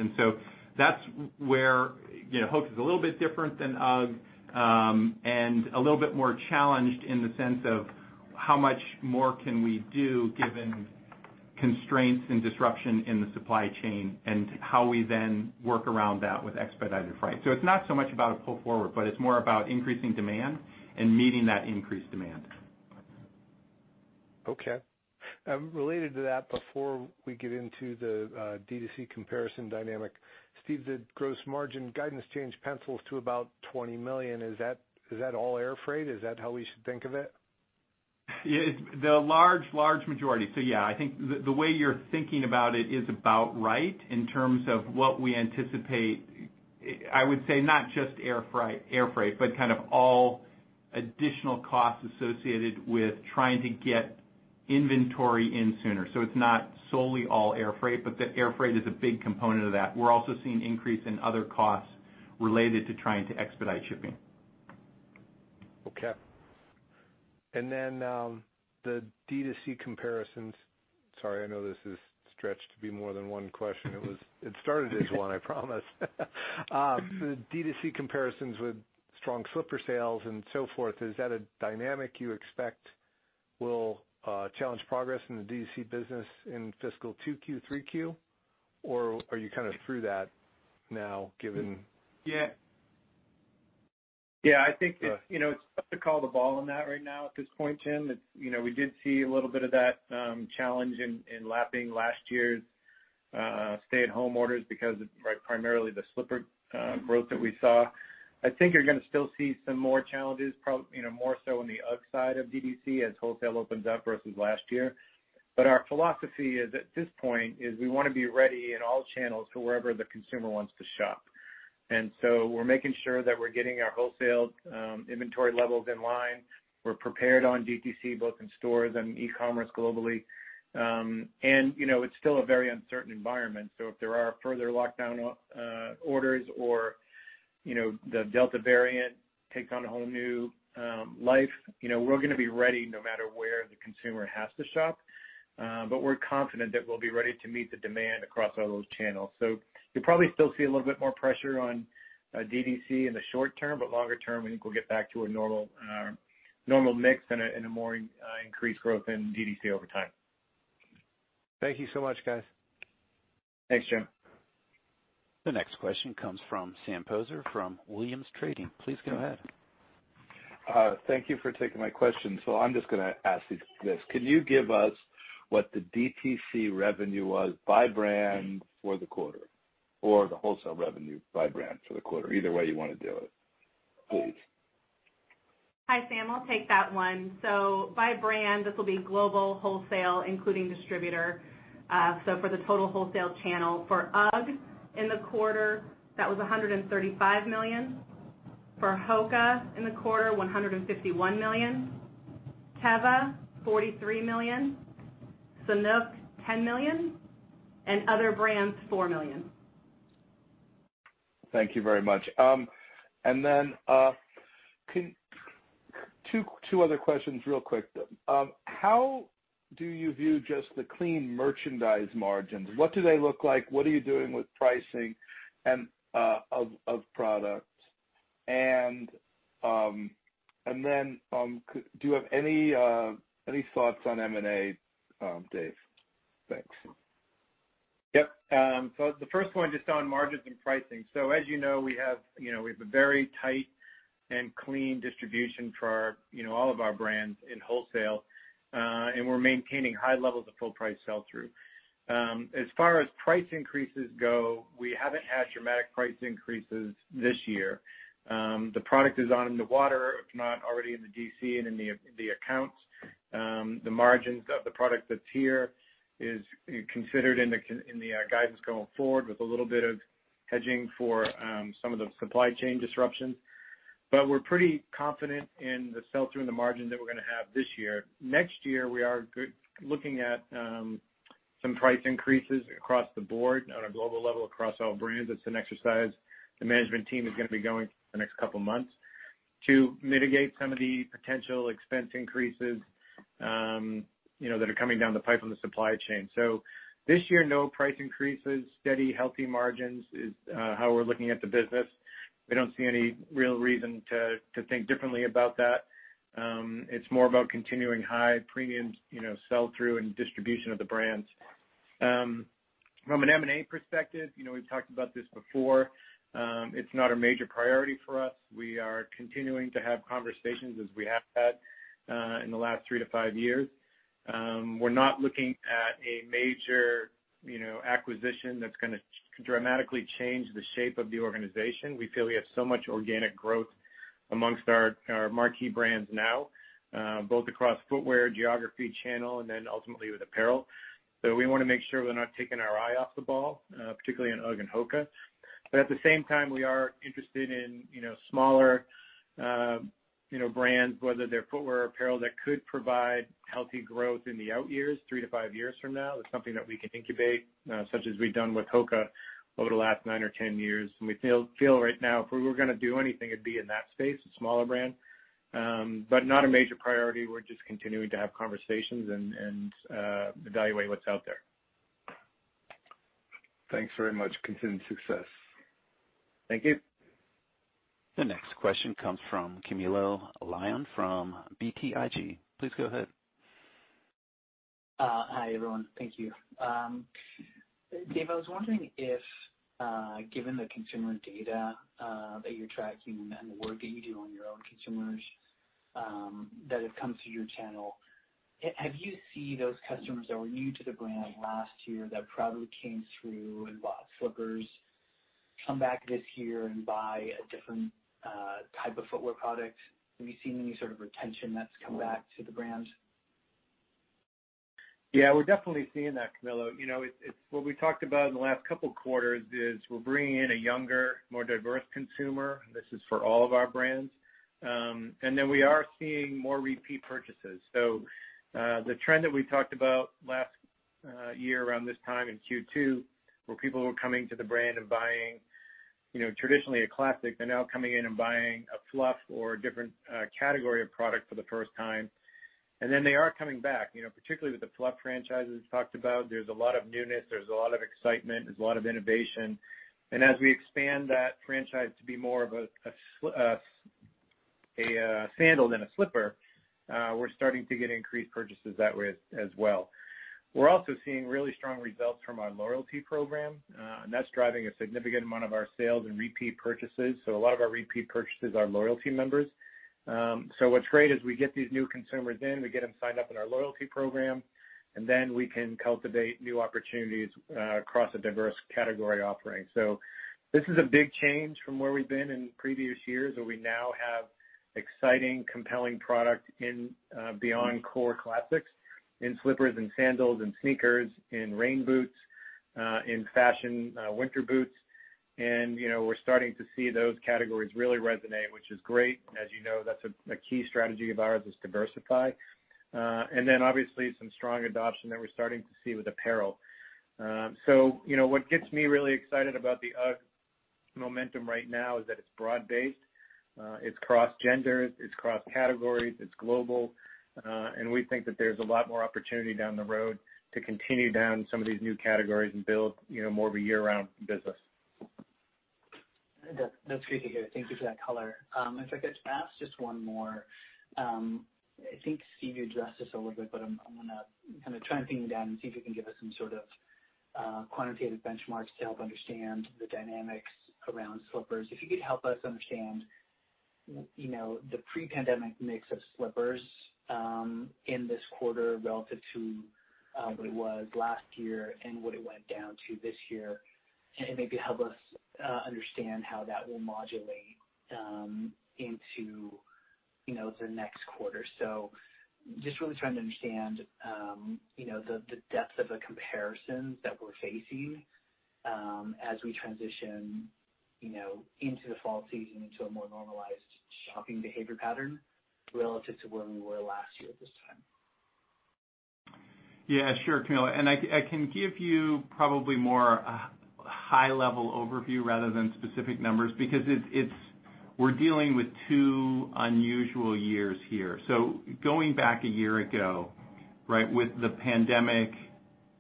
That's where HOKA is a little bit different than UGG, and a little bit more challenged in the sense of how much more can we do given constraints and disruption in the supply chain, and how we then work around that with expedited freight. It's not so much about a pull forward, but it's more about increasing demand and meeting that increased demand.
Okay. Related to that, before we get into the D2C comparison dynamic, Steve, the gross margin guidance change pencils to about $20 million. Is that all air freight? Is that how we should think of it?
The large majority. Yeah, I think the way you're thinking about it is about right in terms of what we anticipate. I would say not just air freight, but kind of all additional costs associated with trying to get inventory in sooner. It's not solely all air freight, but the air freight is a big component of that. We're also seeing increase in other costs related to trying to expedite shipping.
Okay. Then the D2C comparisons, sorry, I know this is stretched to be more than one question. It started as one, I promise. The D2C comparisons with strong slipper sales and so forth, is that a dynamic you expect will challenge progress in the D2C business in fiscal 2Q, 3Q? Or are you kind of through that now?
I think it's tough to call the ball on that right now at this point, Jim. We did see a little bit of that challenge in lapping last year's stay-at-home orders because of primarily the slipper growth that we saw. I think you're going to still see some more challenges, more so on the UGG side of D2C as wholesale opens up versus last year. Our philosophy at this point is we want to be ready in all channels for wherever the consumer wants to shop. We're making sure that we're getting our wholesale inventory levels in line. We're prepared on D2C, both in stores and e-commerce globally. It's still a very uncertain environment, so if there are further lockdown orders or the Delta variant takes on a whole new life, we're going to be ready no matter where the consumer has to shop. We're confident that we'll be ready to meet the demand across all those channels. You'll probably still see a little bit more pressure on D2C in the short term, but longer term, we think we'll get back to a normal mix and a more increased growth in D2C over time.
Thank you so much, guys.
Thanks, Jim.
The next question comes from Sam Poser from Williams Trading. Please go ahead.
Thank you for taking my question. I'm just going to ask you this. Can you give us what the DTC revenue was by brand for the quarter, or the wholesale revenue by brand for the quarter? Either way you want to do it, please.
Hi, Sam, I'll take that one. By brand, this will be global wholesale, including distributor. For the total wholesale channel for UGG in the quarter, that was $135 million. For HOKA in the quarter, $151 million. Teva, $43 million. Sanuk, $10 million. Other brands, $4 million.
Thank you very much. Then two other questions real quick. How do you view just the clean merchandise margins? What do they look like? What are you doing with pricing of products? Then, do you have any thoughts on M&A, Dave? Thanks.
Yep. The first point, just on margins and pricing. As you know, we have a very tight and clean distribution for all of our brands in wholesale, and we're maintaining high levels of full price sell-through. As far as price increases go, we haven't had dramatic price increases this year. The product is on the water, if not already in the DC and in the accounts. The margins of the product that's here is considered in the guidance going forward with a little bit of hedging for some of the supply chain disruptions. We're pretty confident in the sell-through and the margin that we're going to have this year. Next year, we are looking at some price increases across the board on a global level, across all brands. It's an exercise the management team is going to be going through the next couple of months to mitigate some of the potential expense increases that are coming down the pipe from the supply chain. This year, no price increases, steady, healthy margins is how we're looking at the business. We don't see any real reason to think differently about that. It's more about continuing high premium sell-through and distribution of the brands. From an M&A perspective, we've talked about this before. It's not a major priority for us. We are continuing to have conversations as we have had in the last three to five years. We're not looking at a major acquisition that's going to dramatically change the shape of the organization. We feel we have so much organic growth amongst our marquee brands now both across footwear, geography, channel, and then ultimately with apparel. We want to make sure we're not taking our eye off the ball, particularly on UGG and HOKA. At the same time, we are interested in smaller brands, whether they're footwear or apparel, that could provide healthy growth in the out years, three to five years from now. That's something that we can incubate, such as we've done with HOKA over the last nine or 10 years. We feel right now if we were going to do anything, it'd be in that space, a smaller brand. Not a major priority. We're just continuing to have conversations and evaluate what's out there.
Thanks very much. Continued success.
Thank you.
The next question comes from Camilo Lyon from BTIG. Please go ahead.
Hi, everyone. Thank you. Dave, I was wondering if given the consumer data that you're tracking and the work that you do on your own consumers that have come through your channel, have you seen those customers that were new to the brand last year that probably came through and bought slippers, come back this year and buy a different type of footwear product? Have you seen any sort of retention that's come back to the brands?
Yeah, we're definitely seeing that, Camilo. What we talked about in the last couple of quarters is we're bringing in a younger, more diverse consumer. This is for all of our brands. We are seeing more repeat purchases. The trend that we talked about last year around this time in Q2, where people were coming to the brand and buying traditionally a classic, they're now coming in and buying a Fluff or a different category of product for the first time. They are coming back, particularly with the Fluff franchise that we've talked about. There's a lot of newness, there's a lot of excitement, there's a lot of innovation. As we expand that franchise to be more of a sandal than a slipper, we're starting to get increased purchases that way as well. We're also seeing really strong results from our loyalty program, that's driving a significant amount of our sales and repeat purchases. A lot of our repeat purchases are loyalty members. What's great is we get these new consumers in, we get them signed up in our loyalty program, then we can cultivate new opportunities across a diverse category offering. This is a big change from where we've been in previous years where we now have exciting, compelling product beyond core classics, in slippers, in sandals, in sneakers, in rain boots, in fashion winter boots. We're starting to see those categories really resonate, which is great. As you know, that's a key strategy of ours is to diversify. Then obviously some strong adoption that we're starting to see with apparel. What gets me really excited about the UGG momentum right now is that it's broad-based, it's cross-gender, it's cross-categories, it's global, and we think that there's a lot more opportunity down the road to continue down some of these new categories and build more of a year-round business.
That's great to hear. Thank you for that color. If I could ask just one more. I think, Steve, you addressed this a little bit, but I'm going to try and pin you down and see if you can give us some sort of quantitative benchmarks to help understand the dynamics around slippers. If you could help us understand the pre-pandemic mix of slippers in this quarter relative to what it was last year and what it went down to this year, and maybe help us understand how that will modulate into the next quarter. Just really trying to understand the depth of a comparison that we're facing as we transition into the fall season into a more normalized shopping behavior pattern relative to where we were last year at this time.
Yeah, sure, Camilo. I can give you probably more a high-level overview rather than specific numbers, because we're dealing with two unusual years here. Going back a year ago with the pandemic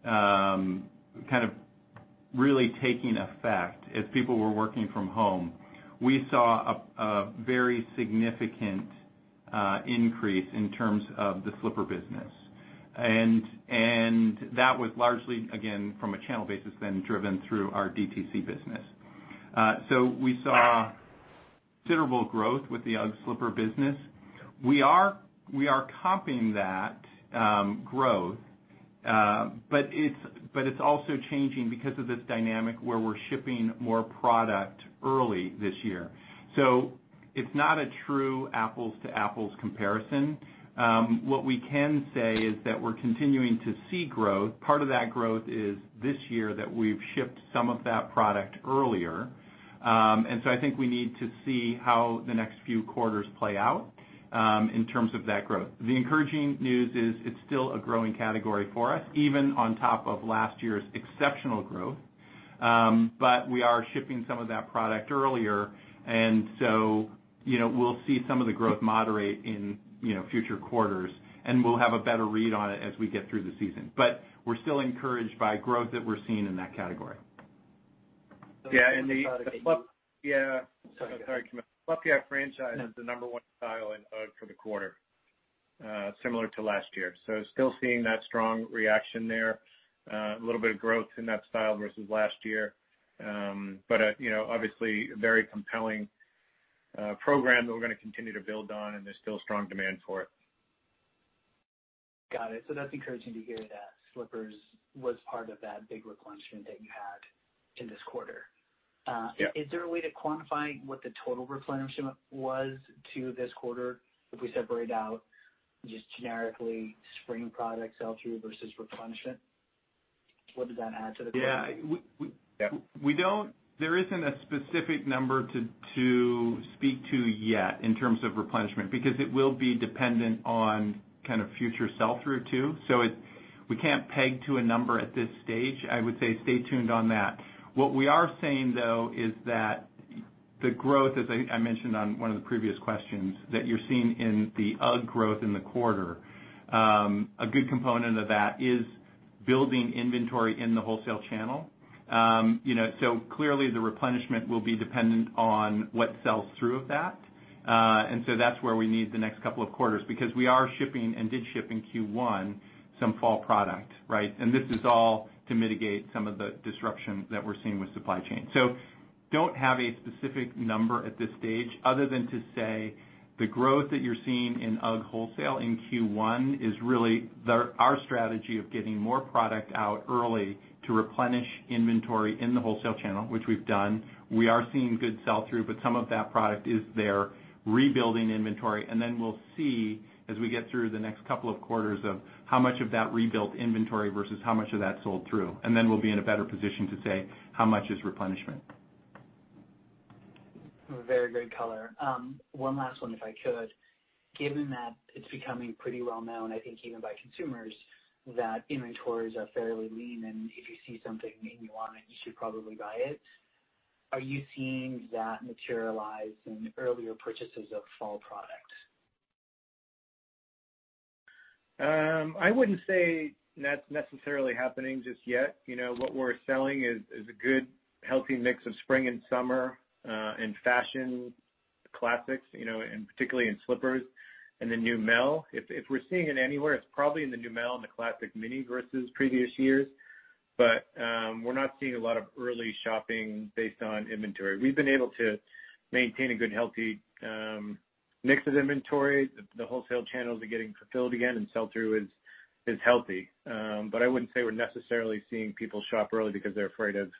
kind of really taking effect as people were working from home, we saw a very significant increase in terms of the slipper business. That was largely, again, from a channel basis then driven through our DTC business. We saw considerable growth with the UGG slipper business. We are comping that growth, but it's also changing because of this dynamic where we're shipping more product early this year. It's not a true apples to apples comparison. What we can say is that we're continuing to see growth. Part of that growth is this year that we've shipped some of that product earlier. I think we need to see how the next few quarters play out in terms of that growth. The encouraging news is it's still a growing category for us, even on top of last year's exceptional growth. We are shipping some of that product earlier, we'll see some of the growth moderate in future quarters, and we'll have a better read on it as we get through the season. We're still encouraged by growth that we're seeing in that category.
Yeah.
Sorry, go ahead.
Sorry, Cam. Fluff Yeah franchise is the number one style in UGG for the quarter, similar to last year. Still seeing that strong reaction there. A little bit of growth in that style versus last year. Obviously, a very compelling program that we're going to continue to build on, and there's still strong demand for it.
Got it. That's encouraging to hear that slippers was part of that big replenishment that you had in this quarter.
Yeah.
Is there a way to quantify what the total replenishment was to this quarter if we separate out just generically spring product sell-through versus replenishment? What does that add to the quarter?
Yeah. There isn't a specific number to speak to yet in terms of replenishment, because it will be dependent on kind of future sell-through, too. We can't peg to a number at this stage. I would say stay tuned on that. What we are saying, though, is that the growth, as I mentioned on one of the previous questions, that you're seeing in the UGG growth in the quarter a good component of that is building inventory in the wholesale channel. Clearly the replenishment will be dependent on what sells through of that. That's where we need the next couple of quarters, because we are shipping and did ship in Q1 some fall product, right? This is all to mitigate some of the disruption that we're seeing with supply chain. Don't have a specific number at this stage other than to say the growth that you're seeing in UGG wholesale in Q1 is really our strategy of getting more product out early to replenish inventory in the wholesale channel, which we've done. We are seeing good sell-through, but some of that product is there rebuilding inventory, and then we'll see as we get through the next couple of quarters of how much of that rebuilt inventory versus how much of that sold through. Then we'll be in a better position to say how much is replenishment.
Very great color. One last one, if I could. Given that it's becoming pretty well known, I think even by consumers, that inventories are fairly lean and if you see something and you want it, you should probably buy it. Are you seeing that materialize in earlier purchases of fall product?
I wouldn't say that's necessarily happening just yet. What we're selling is a good healthy mix of spring and summer and fashion classics, and particularly in slippers and the Neumel. If we're seeing it anywhere, it's probably in the Neumel and the Classic Mini versus previous years. We're not seeing a lot of early shopping based on inventory. We've been able to maintain a good healthy mix of inventory. The wholesale channels are getting fulfilled again, and sell-through is healthy. I wouldn't say we're necessarily seeing people shop early because they're afraid of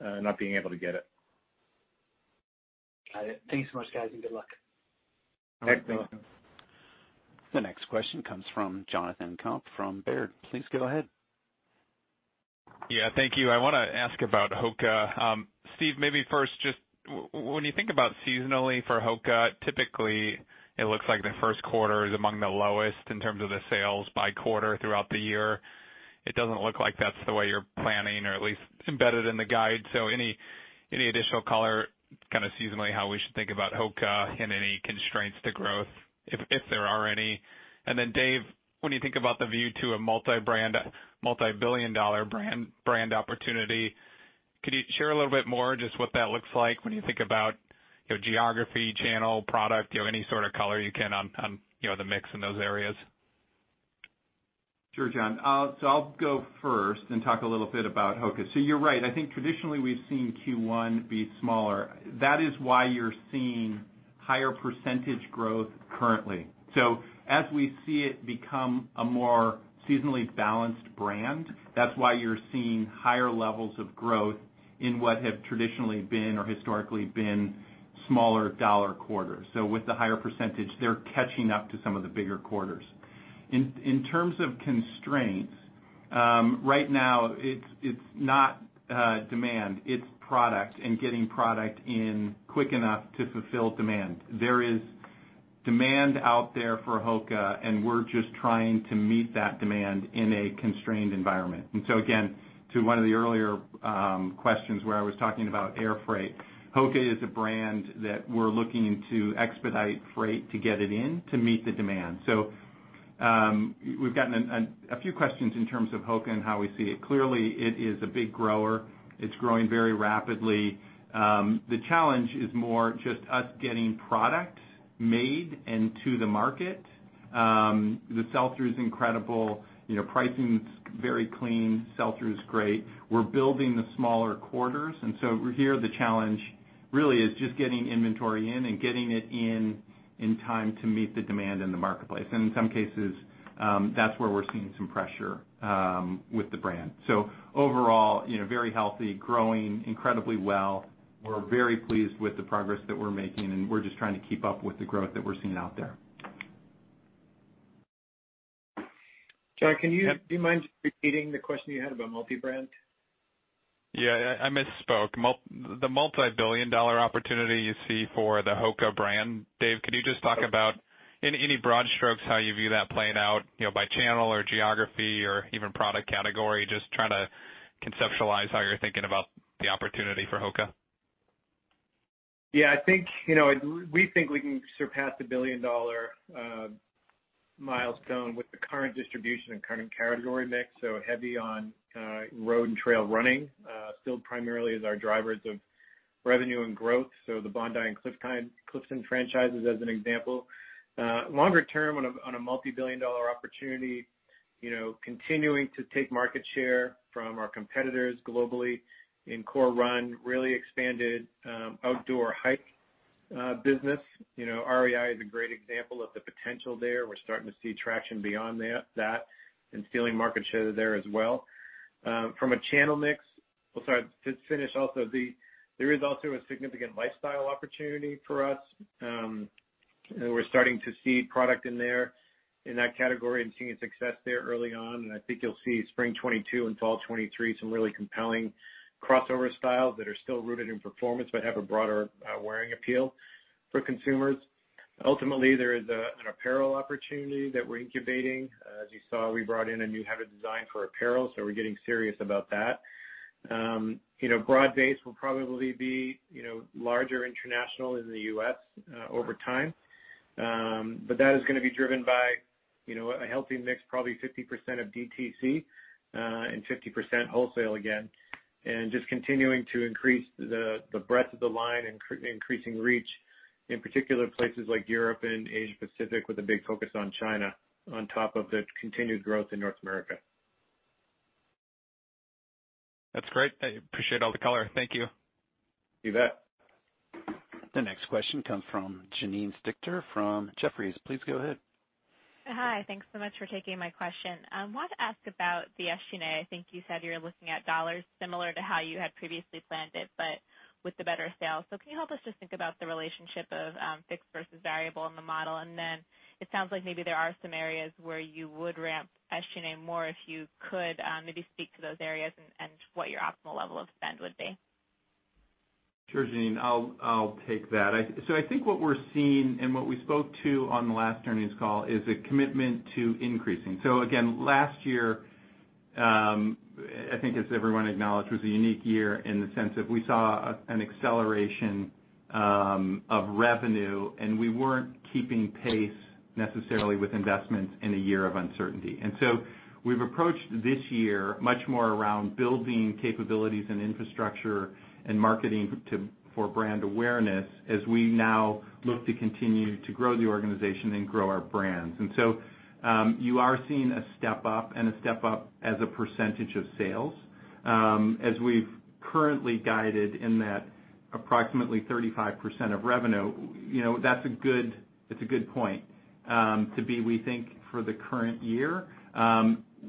not being able to get it.
Got it. Thank you so much, guys, and good luck.
All right, thanks.
Thank you.
The next question comes from Jonathan Komp from Baird. Please go ahead.
Yeah, thank you. I want to ask about HOKA. Steve, maybe first, just when you think about seasonally for HOKA, typically it looks like the first quarter is among the lowest in terms of the sales by quarter throughout the year. It doesn't look like that's the way you're planning or at least embedded in the guide. Any additional color, kind of seasonally how we should think about HOKA and any constraints to growth, if there are any? Then Dave, when you think about the view to a multi-brand, multi-billion dollar brand opportunity, could you share a little bit more just what that looks like when you think about geography, channel, product, any sort of color you can on the mix in those areas?
Sure, Jon. I'll go first and talk a little bit about HOKA. You're right. I think traditionally we've seen Q1 be smaller. That is why you're seeing higher percentage growth currently. As we see it become a more seasonally balanced brand, that's why you're seeing higher levels of growth in what have traditionally been or historically been smaller dollar quarters. With the higher %, they're catching up to some of the bigger quarters. In terms of constraints, right now it's not demand, it's product and getting product in quick enough to fulfill demand. There is demand out there for HOKA, and we're just trying to meet that demand in a constrained environment. Again, to one of the earlier questions where I was talking about air freight, HOKA is a brand that we're looking to expedite freight to get it in to meet the demand. We've gotten a few questions in terms of HOKA and how we see it. Clearly, it is a big grower. It's growing very rapidly. The challenge is more just us getting product made and to the market. The sell-through is incredible. Pricing's very clean, sell-through is great. We're building the smaller quarters, here the challenge really is just getting inventory in and getting it in in time to meet the demand in the marketplace. In some cases, that's where we're seeing some pressure with the brand. Overall, very healthy, growing incredibly well. We're very pleased with the progress that we're making, and we're just trying to keep up with the growth that we're seeing out there.
Jon, do you mind repeating the question you had about multi-brand?
Yeah, I misspoke. The multi-billion dollar opportunity you see for the HOKA brand. Dave, could you just talk about any broad strokes, how you view that playing out by channel or geography or even product category? Just trying to conceptualize how you're thinking about the opportunity for HOKA.
Yeah. We think we can surpass the billion-dollar milestone with the current distribution and current category mix, heavy on road and trail running, still primarily as our drivers of revenue and growth. The Bondi and Clifton franchises as an example. Longer term on a multi-billion dollar opportunity, continuing to take market share from our competitors globally in core run, really expanded outdoor hike business. REI is a great example of the potential there. We're starting to see traction beyond that and stealing market share there as well. From a channel mix. Oh, sorry. To finish also, there is also a significant lifestyle opportunity for us. We're starting to see product in there in that category and seeing success there early on. I think you'll see Spring 2022 and Fall 2023, some really compelling crossover styles that are still rooted in performance but have a broader wearing appeal for consumers. Ultimately, there is an apparel opportunity that we're incubating. As you saw, we brought in a new head of design for apparel, so we're getting serious about that. Broad base will probably be larger international than the U.S. over time. That is going to be driven by a healthy mix, probably 50% of DTC and 50% wholesale again, and just continuing to increase the breadth of the line, increasing reach, in particular places like Europe and Asia Pacific, with a big focus on China, on top of the continued growth in North America.
That's great. I appreciate all the color. Thank you.
You bet.
The next question comes from Janine Stichter from Jefferies. Please go ahead.
Hi. Thanks so much for taking my question. I wanted to ask about the SG&A. I think you said you're looking at dollars similar to how you had previously planned it, but with the better sales. Can you help us just think about the relationship of fixed versus variable in the model? It sounds like maybe there are some areas where you would ramp SG&A more if you could. Maybe speak to those areas and what your optimal level of spend would be.
Sure, Janine, I'll take that. I think what we're seeing and what we spoke to on the last earnings call is a commitment to increasing. Again, last year, I think as everyone acknowledged, was a unique year in the sense that we saw an acceleration of revenue, and we weren't keeping pace necessarily with investments in a year of uncertainty. We've approached this year much more around building capabilities and infrastructure and marketing for brand awareness as we now look to continue to grow the organization and grow our brands. You are seeing a step up and a step up as a percentage of sales. As we've currently guided in that approximately 35% of revenue, that's a good point to be, we think, for the current year.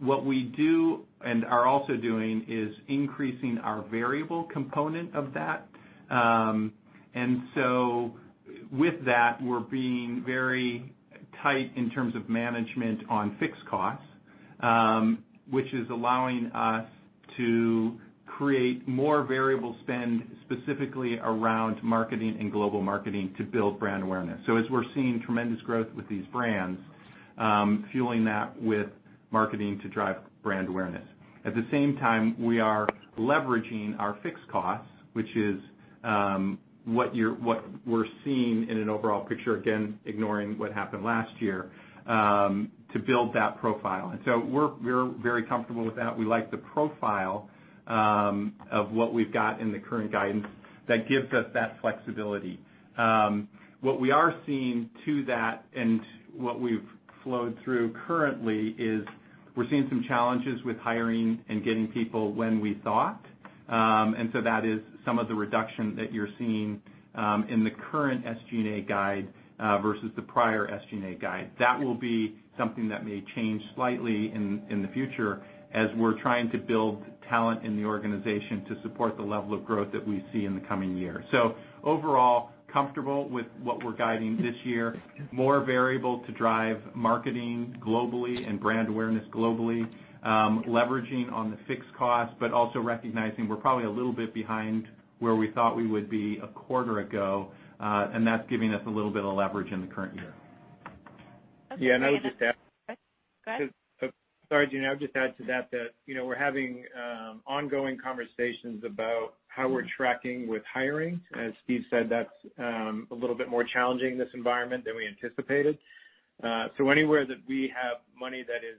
What we do and are also doing is increasing our variable component of that. With that, we're being very tight in terms of management on fixed costs, which is allowing us to create more variable spend specifically around marketing and global marketing to build brand awareness. As we're seeing tremendous growth with these brands, fueling that with marketing to drive brand awareness. At the same time, we are leveraging our fixed costs, which is what we're seeing in an overall picture, again, ignoring what happened last year, to build that profile. We're very comfortable with that. We like the profile of what we've got in the current guidance that gives us that flexibility. What we are seeing to that and what we've flowed through currently is we're seeing some challenges with hiring and getting people when we thought. That is some of the reduction that you're seeing in the current SG&A guide versus the prior SG&A guide. That will be something that may change slightly in the future as we're trying to build talent in the organization to support the level of growth that we see in the coming year. Overall, comfortable with what we're guiding this year. More variable to drive marketing globally and brand awareness globally, leveraging on the fixed cost, but also recognizing we're probably a little bit behind where we thought we would be a quarter ago. That's giving us a little bit of leverage in the current year.
Okay.
Yeah.
Go ahead.
Sorry, Janine, I would just add to that we're having ongoing conversations about how we're tracking with hiring. As Steve said, that's a little bit more challenging in this environment than we anticipated. Anywhere that we have money that is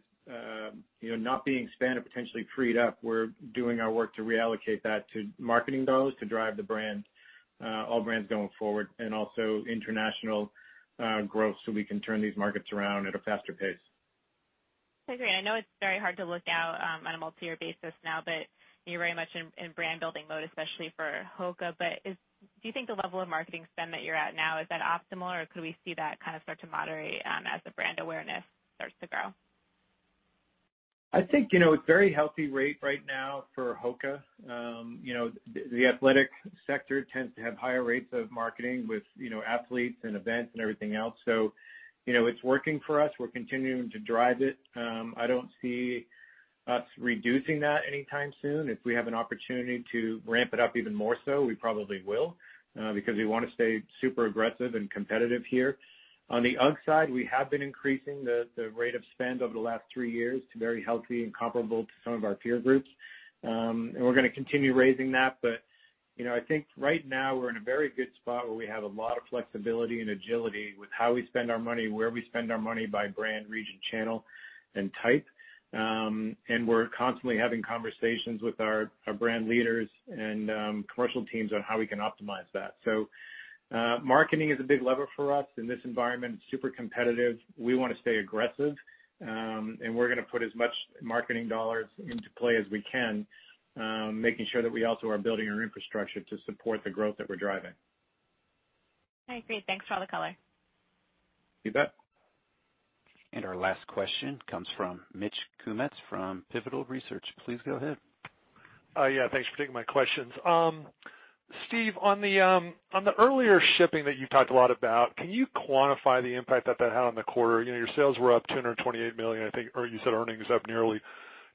not being spent and potentially freed up, we're doing our work to reallocate that to marketing dollars to drive all brands going forward, and also international growth so we can turn these markets around at a faster pace.
I agree. I know it's very hard to look out on a multi-year basis now, but you're very much in brand building mode, especially for HOKA. Do you think the level of marketing spend that you're at now, is that optimal, or could we see that start to moderate as the brand awareness starts to grow?
I think it's very healthy rate right now for HOKA. The athletic sector tends to have higher rates of marketing with athletes and events and everything else. It's working for us. We're continuing to drive it. I don't see us reducing that anytime soon. If we have an opportunity to ramp it up even more so, we probably will, because we want to stay super aggressive and competitive here. On the UGG side, we have been increasing the rate of spend over the last three years to very healthy and comparable to some of our peer groups. We're going to continue raising that. I think right now we're in a very good spot where we have a lot of flexibility and agility with how we spend our money, where we spend our money by brand, region, channel, and type. We're constantly having conversations with our brand leaders and commercial teams on how we can optimize that. Marketing is a big lever for us in this environment. It's super competitive. We want to stay aggressive. We're going to put as much marketing dollars into play as we can, making sure that we also are building our infrastructure to support the growth that we're driving.
I agree. Thanks for all the color.
You bet.
Our last question comes from Mitch Kummetz from Pivotal Research. Please go ahead.
Yeah. Thanks for taking my questions. Steve, on the earlier shipping that you talked a lot about, can you quantify the impact that that had on the quarter? Your sales were up $228 million, I think, or you said earnings up nearly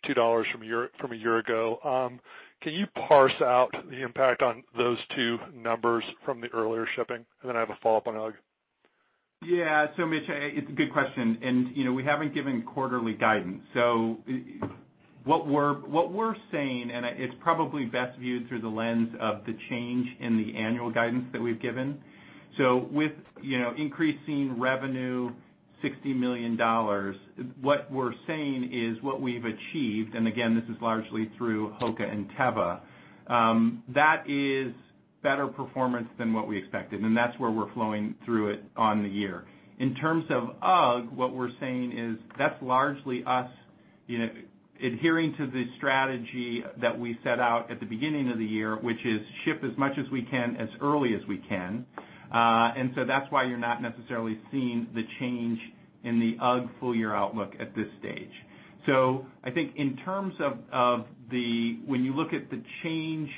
$2 from a year ago. Can you parse out the impact on those two numbers from the earlier shipping? I have a follow-up on UGG.
Yeah. Mitch, it's a good question. We haven't given quarterly guidance. What we're saying, and it's probably best viewed through the lens of the change in the annual guidance that we've given. With increasing revenue $60 million, what we're saying is what we've achieved, and again, this is largely through HOKA and Teva, that is better performance than what we expected, and that's where we're flowing through it on the year. In terms of UGG, what we're saying is that's largely us adhering to the strategy that we set out at the beginning of the year, which is ship as much as we can as early as we can. That's why you're not necessarily seeing the change in the UGG full year outlook at this stage. I think in terms of when you look at the change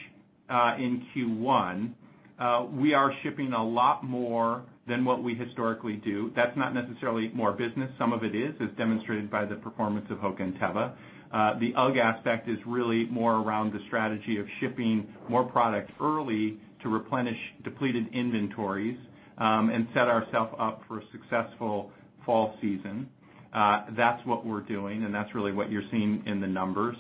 in Q1, we are shipping a lot more than what we historically do. That's not necessarily more business. Some of it is, as demonstrated by the performance of HOKA and Teva. The UGG aspect is really more around the strategy of shipping more product early to replenish depleted inventories, and set ourself up for a successful fall season. That's what we're doing, and that's really what you're seeing in the numbers.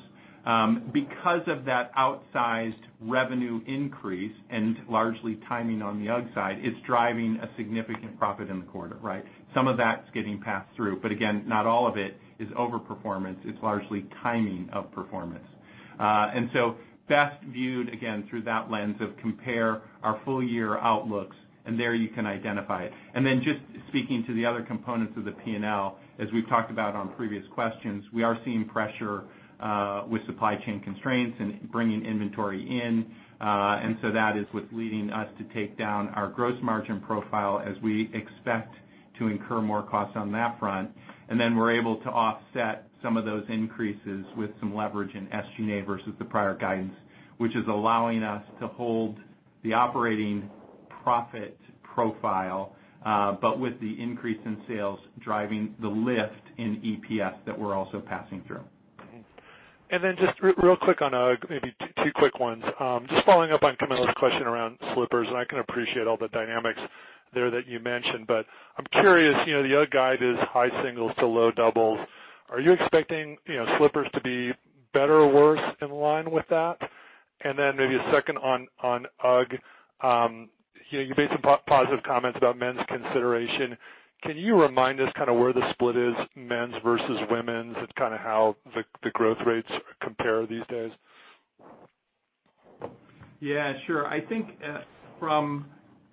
Because of that outsized revenue increase and largely timing on the UGG side, it's driving a significant profit in the quarter, right? Some of that's getting passed through, but again, not all of it is over performance, it's largely timing of performance. Best viewed, again, through that lens of compare our full year outlooks, and there you can identify it. Just speaking to the other components of the P&L, as we've talked about on previous questions, we are seeing pressure with supply chain constraints and bringing inventory in. That is what's leading us to take down our gross margin profile as we expect to incur more costs on that front. We're able to offset some of those increases with some leverage in SG&A versus the prior guidance, which is allowing us to hold the operating profit profile, but with the increase in sales driving the lift in EPS that we're also passing through.
Then just real quick on UGG, maybe two quick ones. Just following up on Camilo's question around slippers, and I can appreciate all the dynamics there that you mentioned, but I'm curious, the UGG guide is high singles to low doubles. Are you expecting slippers to be better or worse in line with that? Then maybe a second on UGG. You made some positive comments about men's consideration. Can you remind us where the split is, men's versus women's, and how the growth rates compare these days?
Yeah, sure. I think from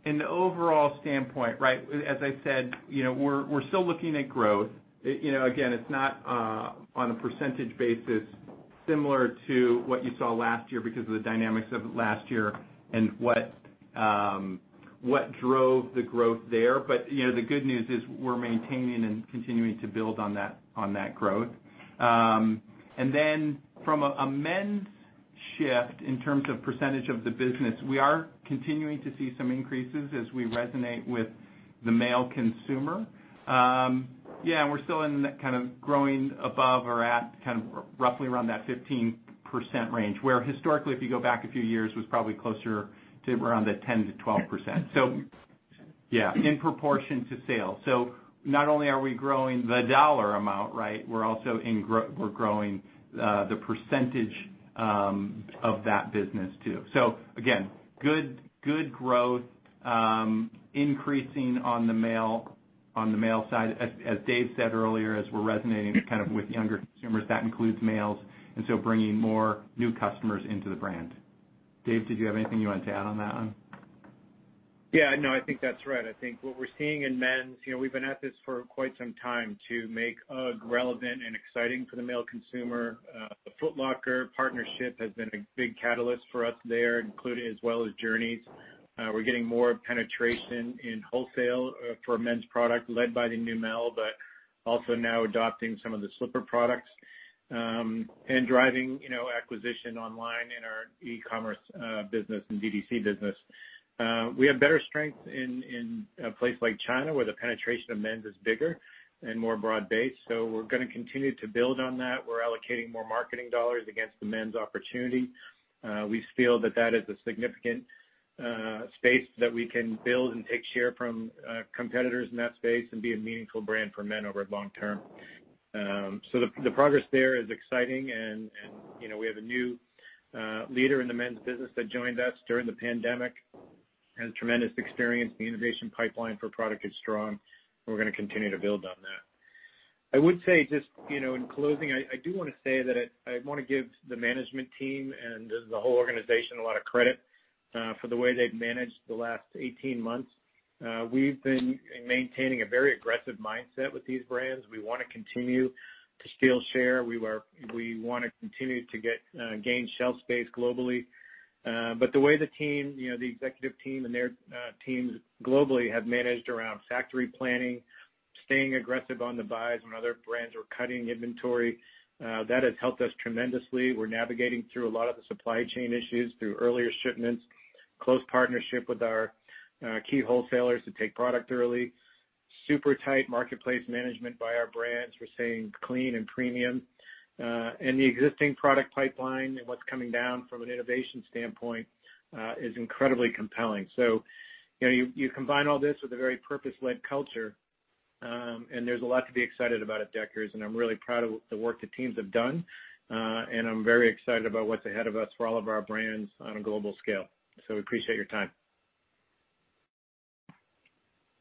an overall standpoint, right, as I said, we're still looking at growth. Again, it's not on a percentage basis similar to what you saw last year because of the dynamics of last year and what drove the growth there. The good news is we're maintaining and continuing to build on that growth. From a men's shift in terms of percentage of the business, we are continuing to see some increases as we resonate with the male consumer. Yeah, we're still in that kind of growing above or at kind of roughly around that 15% range, where historically, if you go back a few years, was probably closer to around the 10%-12%. Yeah, in proportion to sales. Not only are we growing the dollar amount, right, we're growing the percentage of that business too. Again, good growth, increasing on the male side. As Dave said earlier, as we're resonating with younger consumers, that includes males, bringing more new customers into the brand. Dave, did you have anything you wanted to add on that one?
Yeah, no, I think that's right. I think what we’re seeing in men’s, we’ve been at this for quite some time to make UGG relevant and exciting for the male consumer. The Foot Locker partnership has been a big catalyst for us there, including as well as Journeys. We’re getting more penetration in wholesale for men’s product led by the Neumel, but also now adopting some of the slipper products, and driving acquisition online in our e-commerce business and DTC business. We have better strength in a place like China, where the penetration of men’s is bigger and more broad-based. We’re going to continue to build on that. We’re allocating more marketing dollars against the men’s opportunity. We feel that that is a significant space that we can build and take share from competitors in that space and be a meaningful brand for men over long term. The progress there is exciting, and we have a new leader in the men's business that joined us during the pandemic. Has tremendous experience. The innovation pipeline for product is strong, and we're going to continue to build on that. I would say just in closing, I do want to say that I want to give the management team and the whole organization a lot of credit for the way they've managed the last 18 months. We've been maintaining a very aggressive mindset with these brands. We want to continue to steal share. We want to continue to gain shelf space globally. The way the executive team and their teams globally have managed around factory planning, staying aggressive on the buys when other brands were cutting inventory, that has helped us tremendously. We're navigating through a lot of the supply chain issues through earlier shipments, close partnership with our key wholesalers to take product early, super tight marketplace management by our brands. We're staying clean and premium. The existing product pipeline and what's coming down from an innovation standpoint is incredibly compelling. You combine all this with a very purpose-led culture, and there's a lot to be excited about at Deckers, and I'm really proud of the work the teams have done. I'm very excited about what's ahead of us for all of our brands on a global scale. We appreciate your time.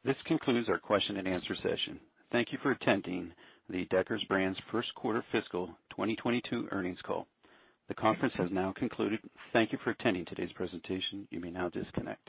This concludes our question and answer session. Thank you for attending the Deckers Brands first quarter fiscal 2022 earnings call. The conference has now concluded. Thank you for attending today's presentation. You may now disconnect.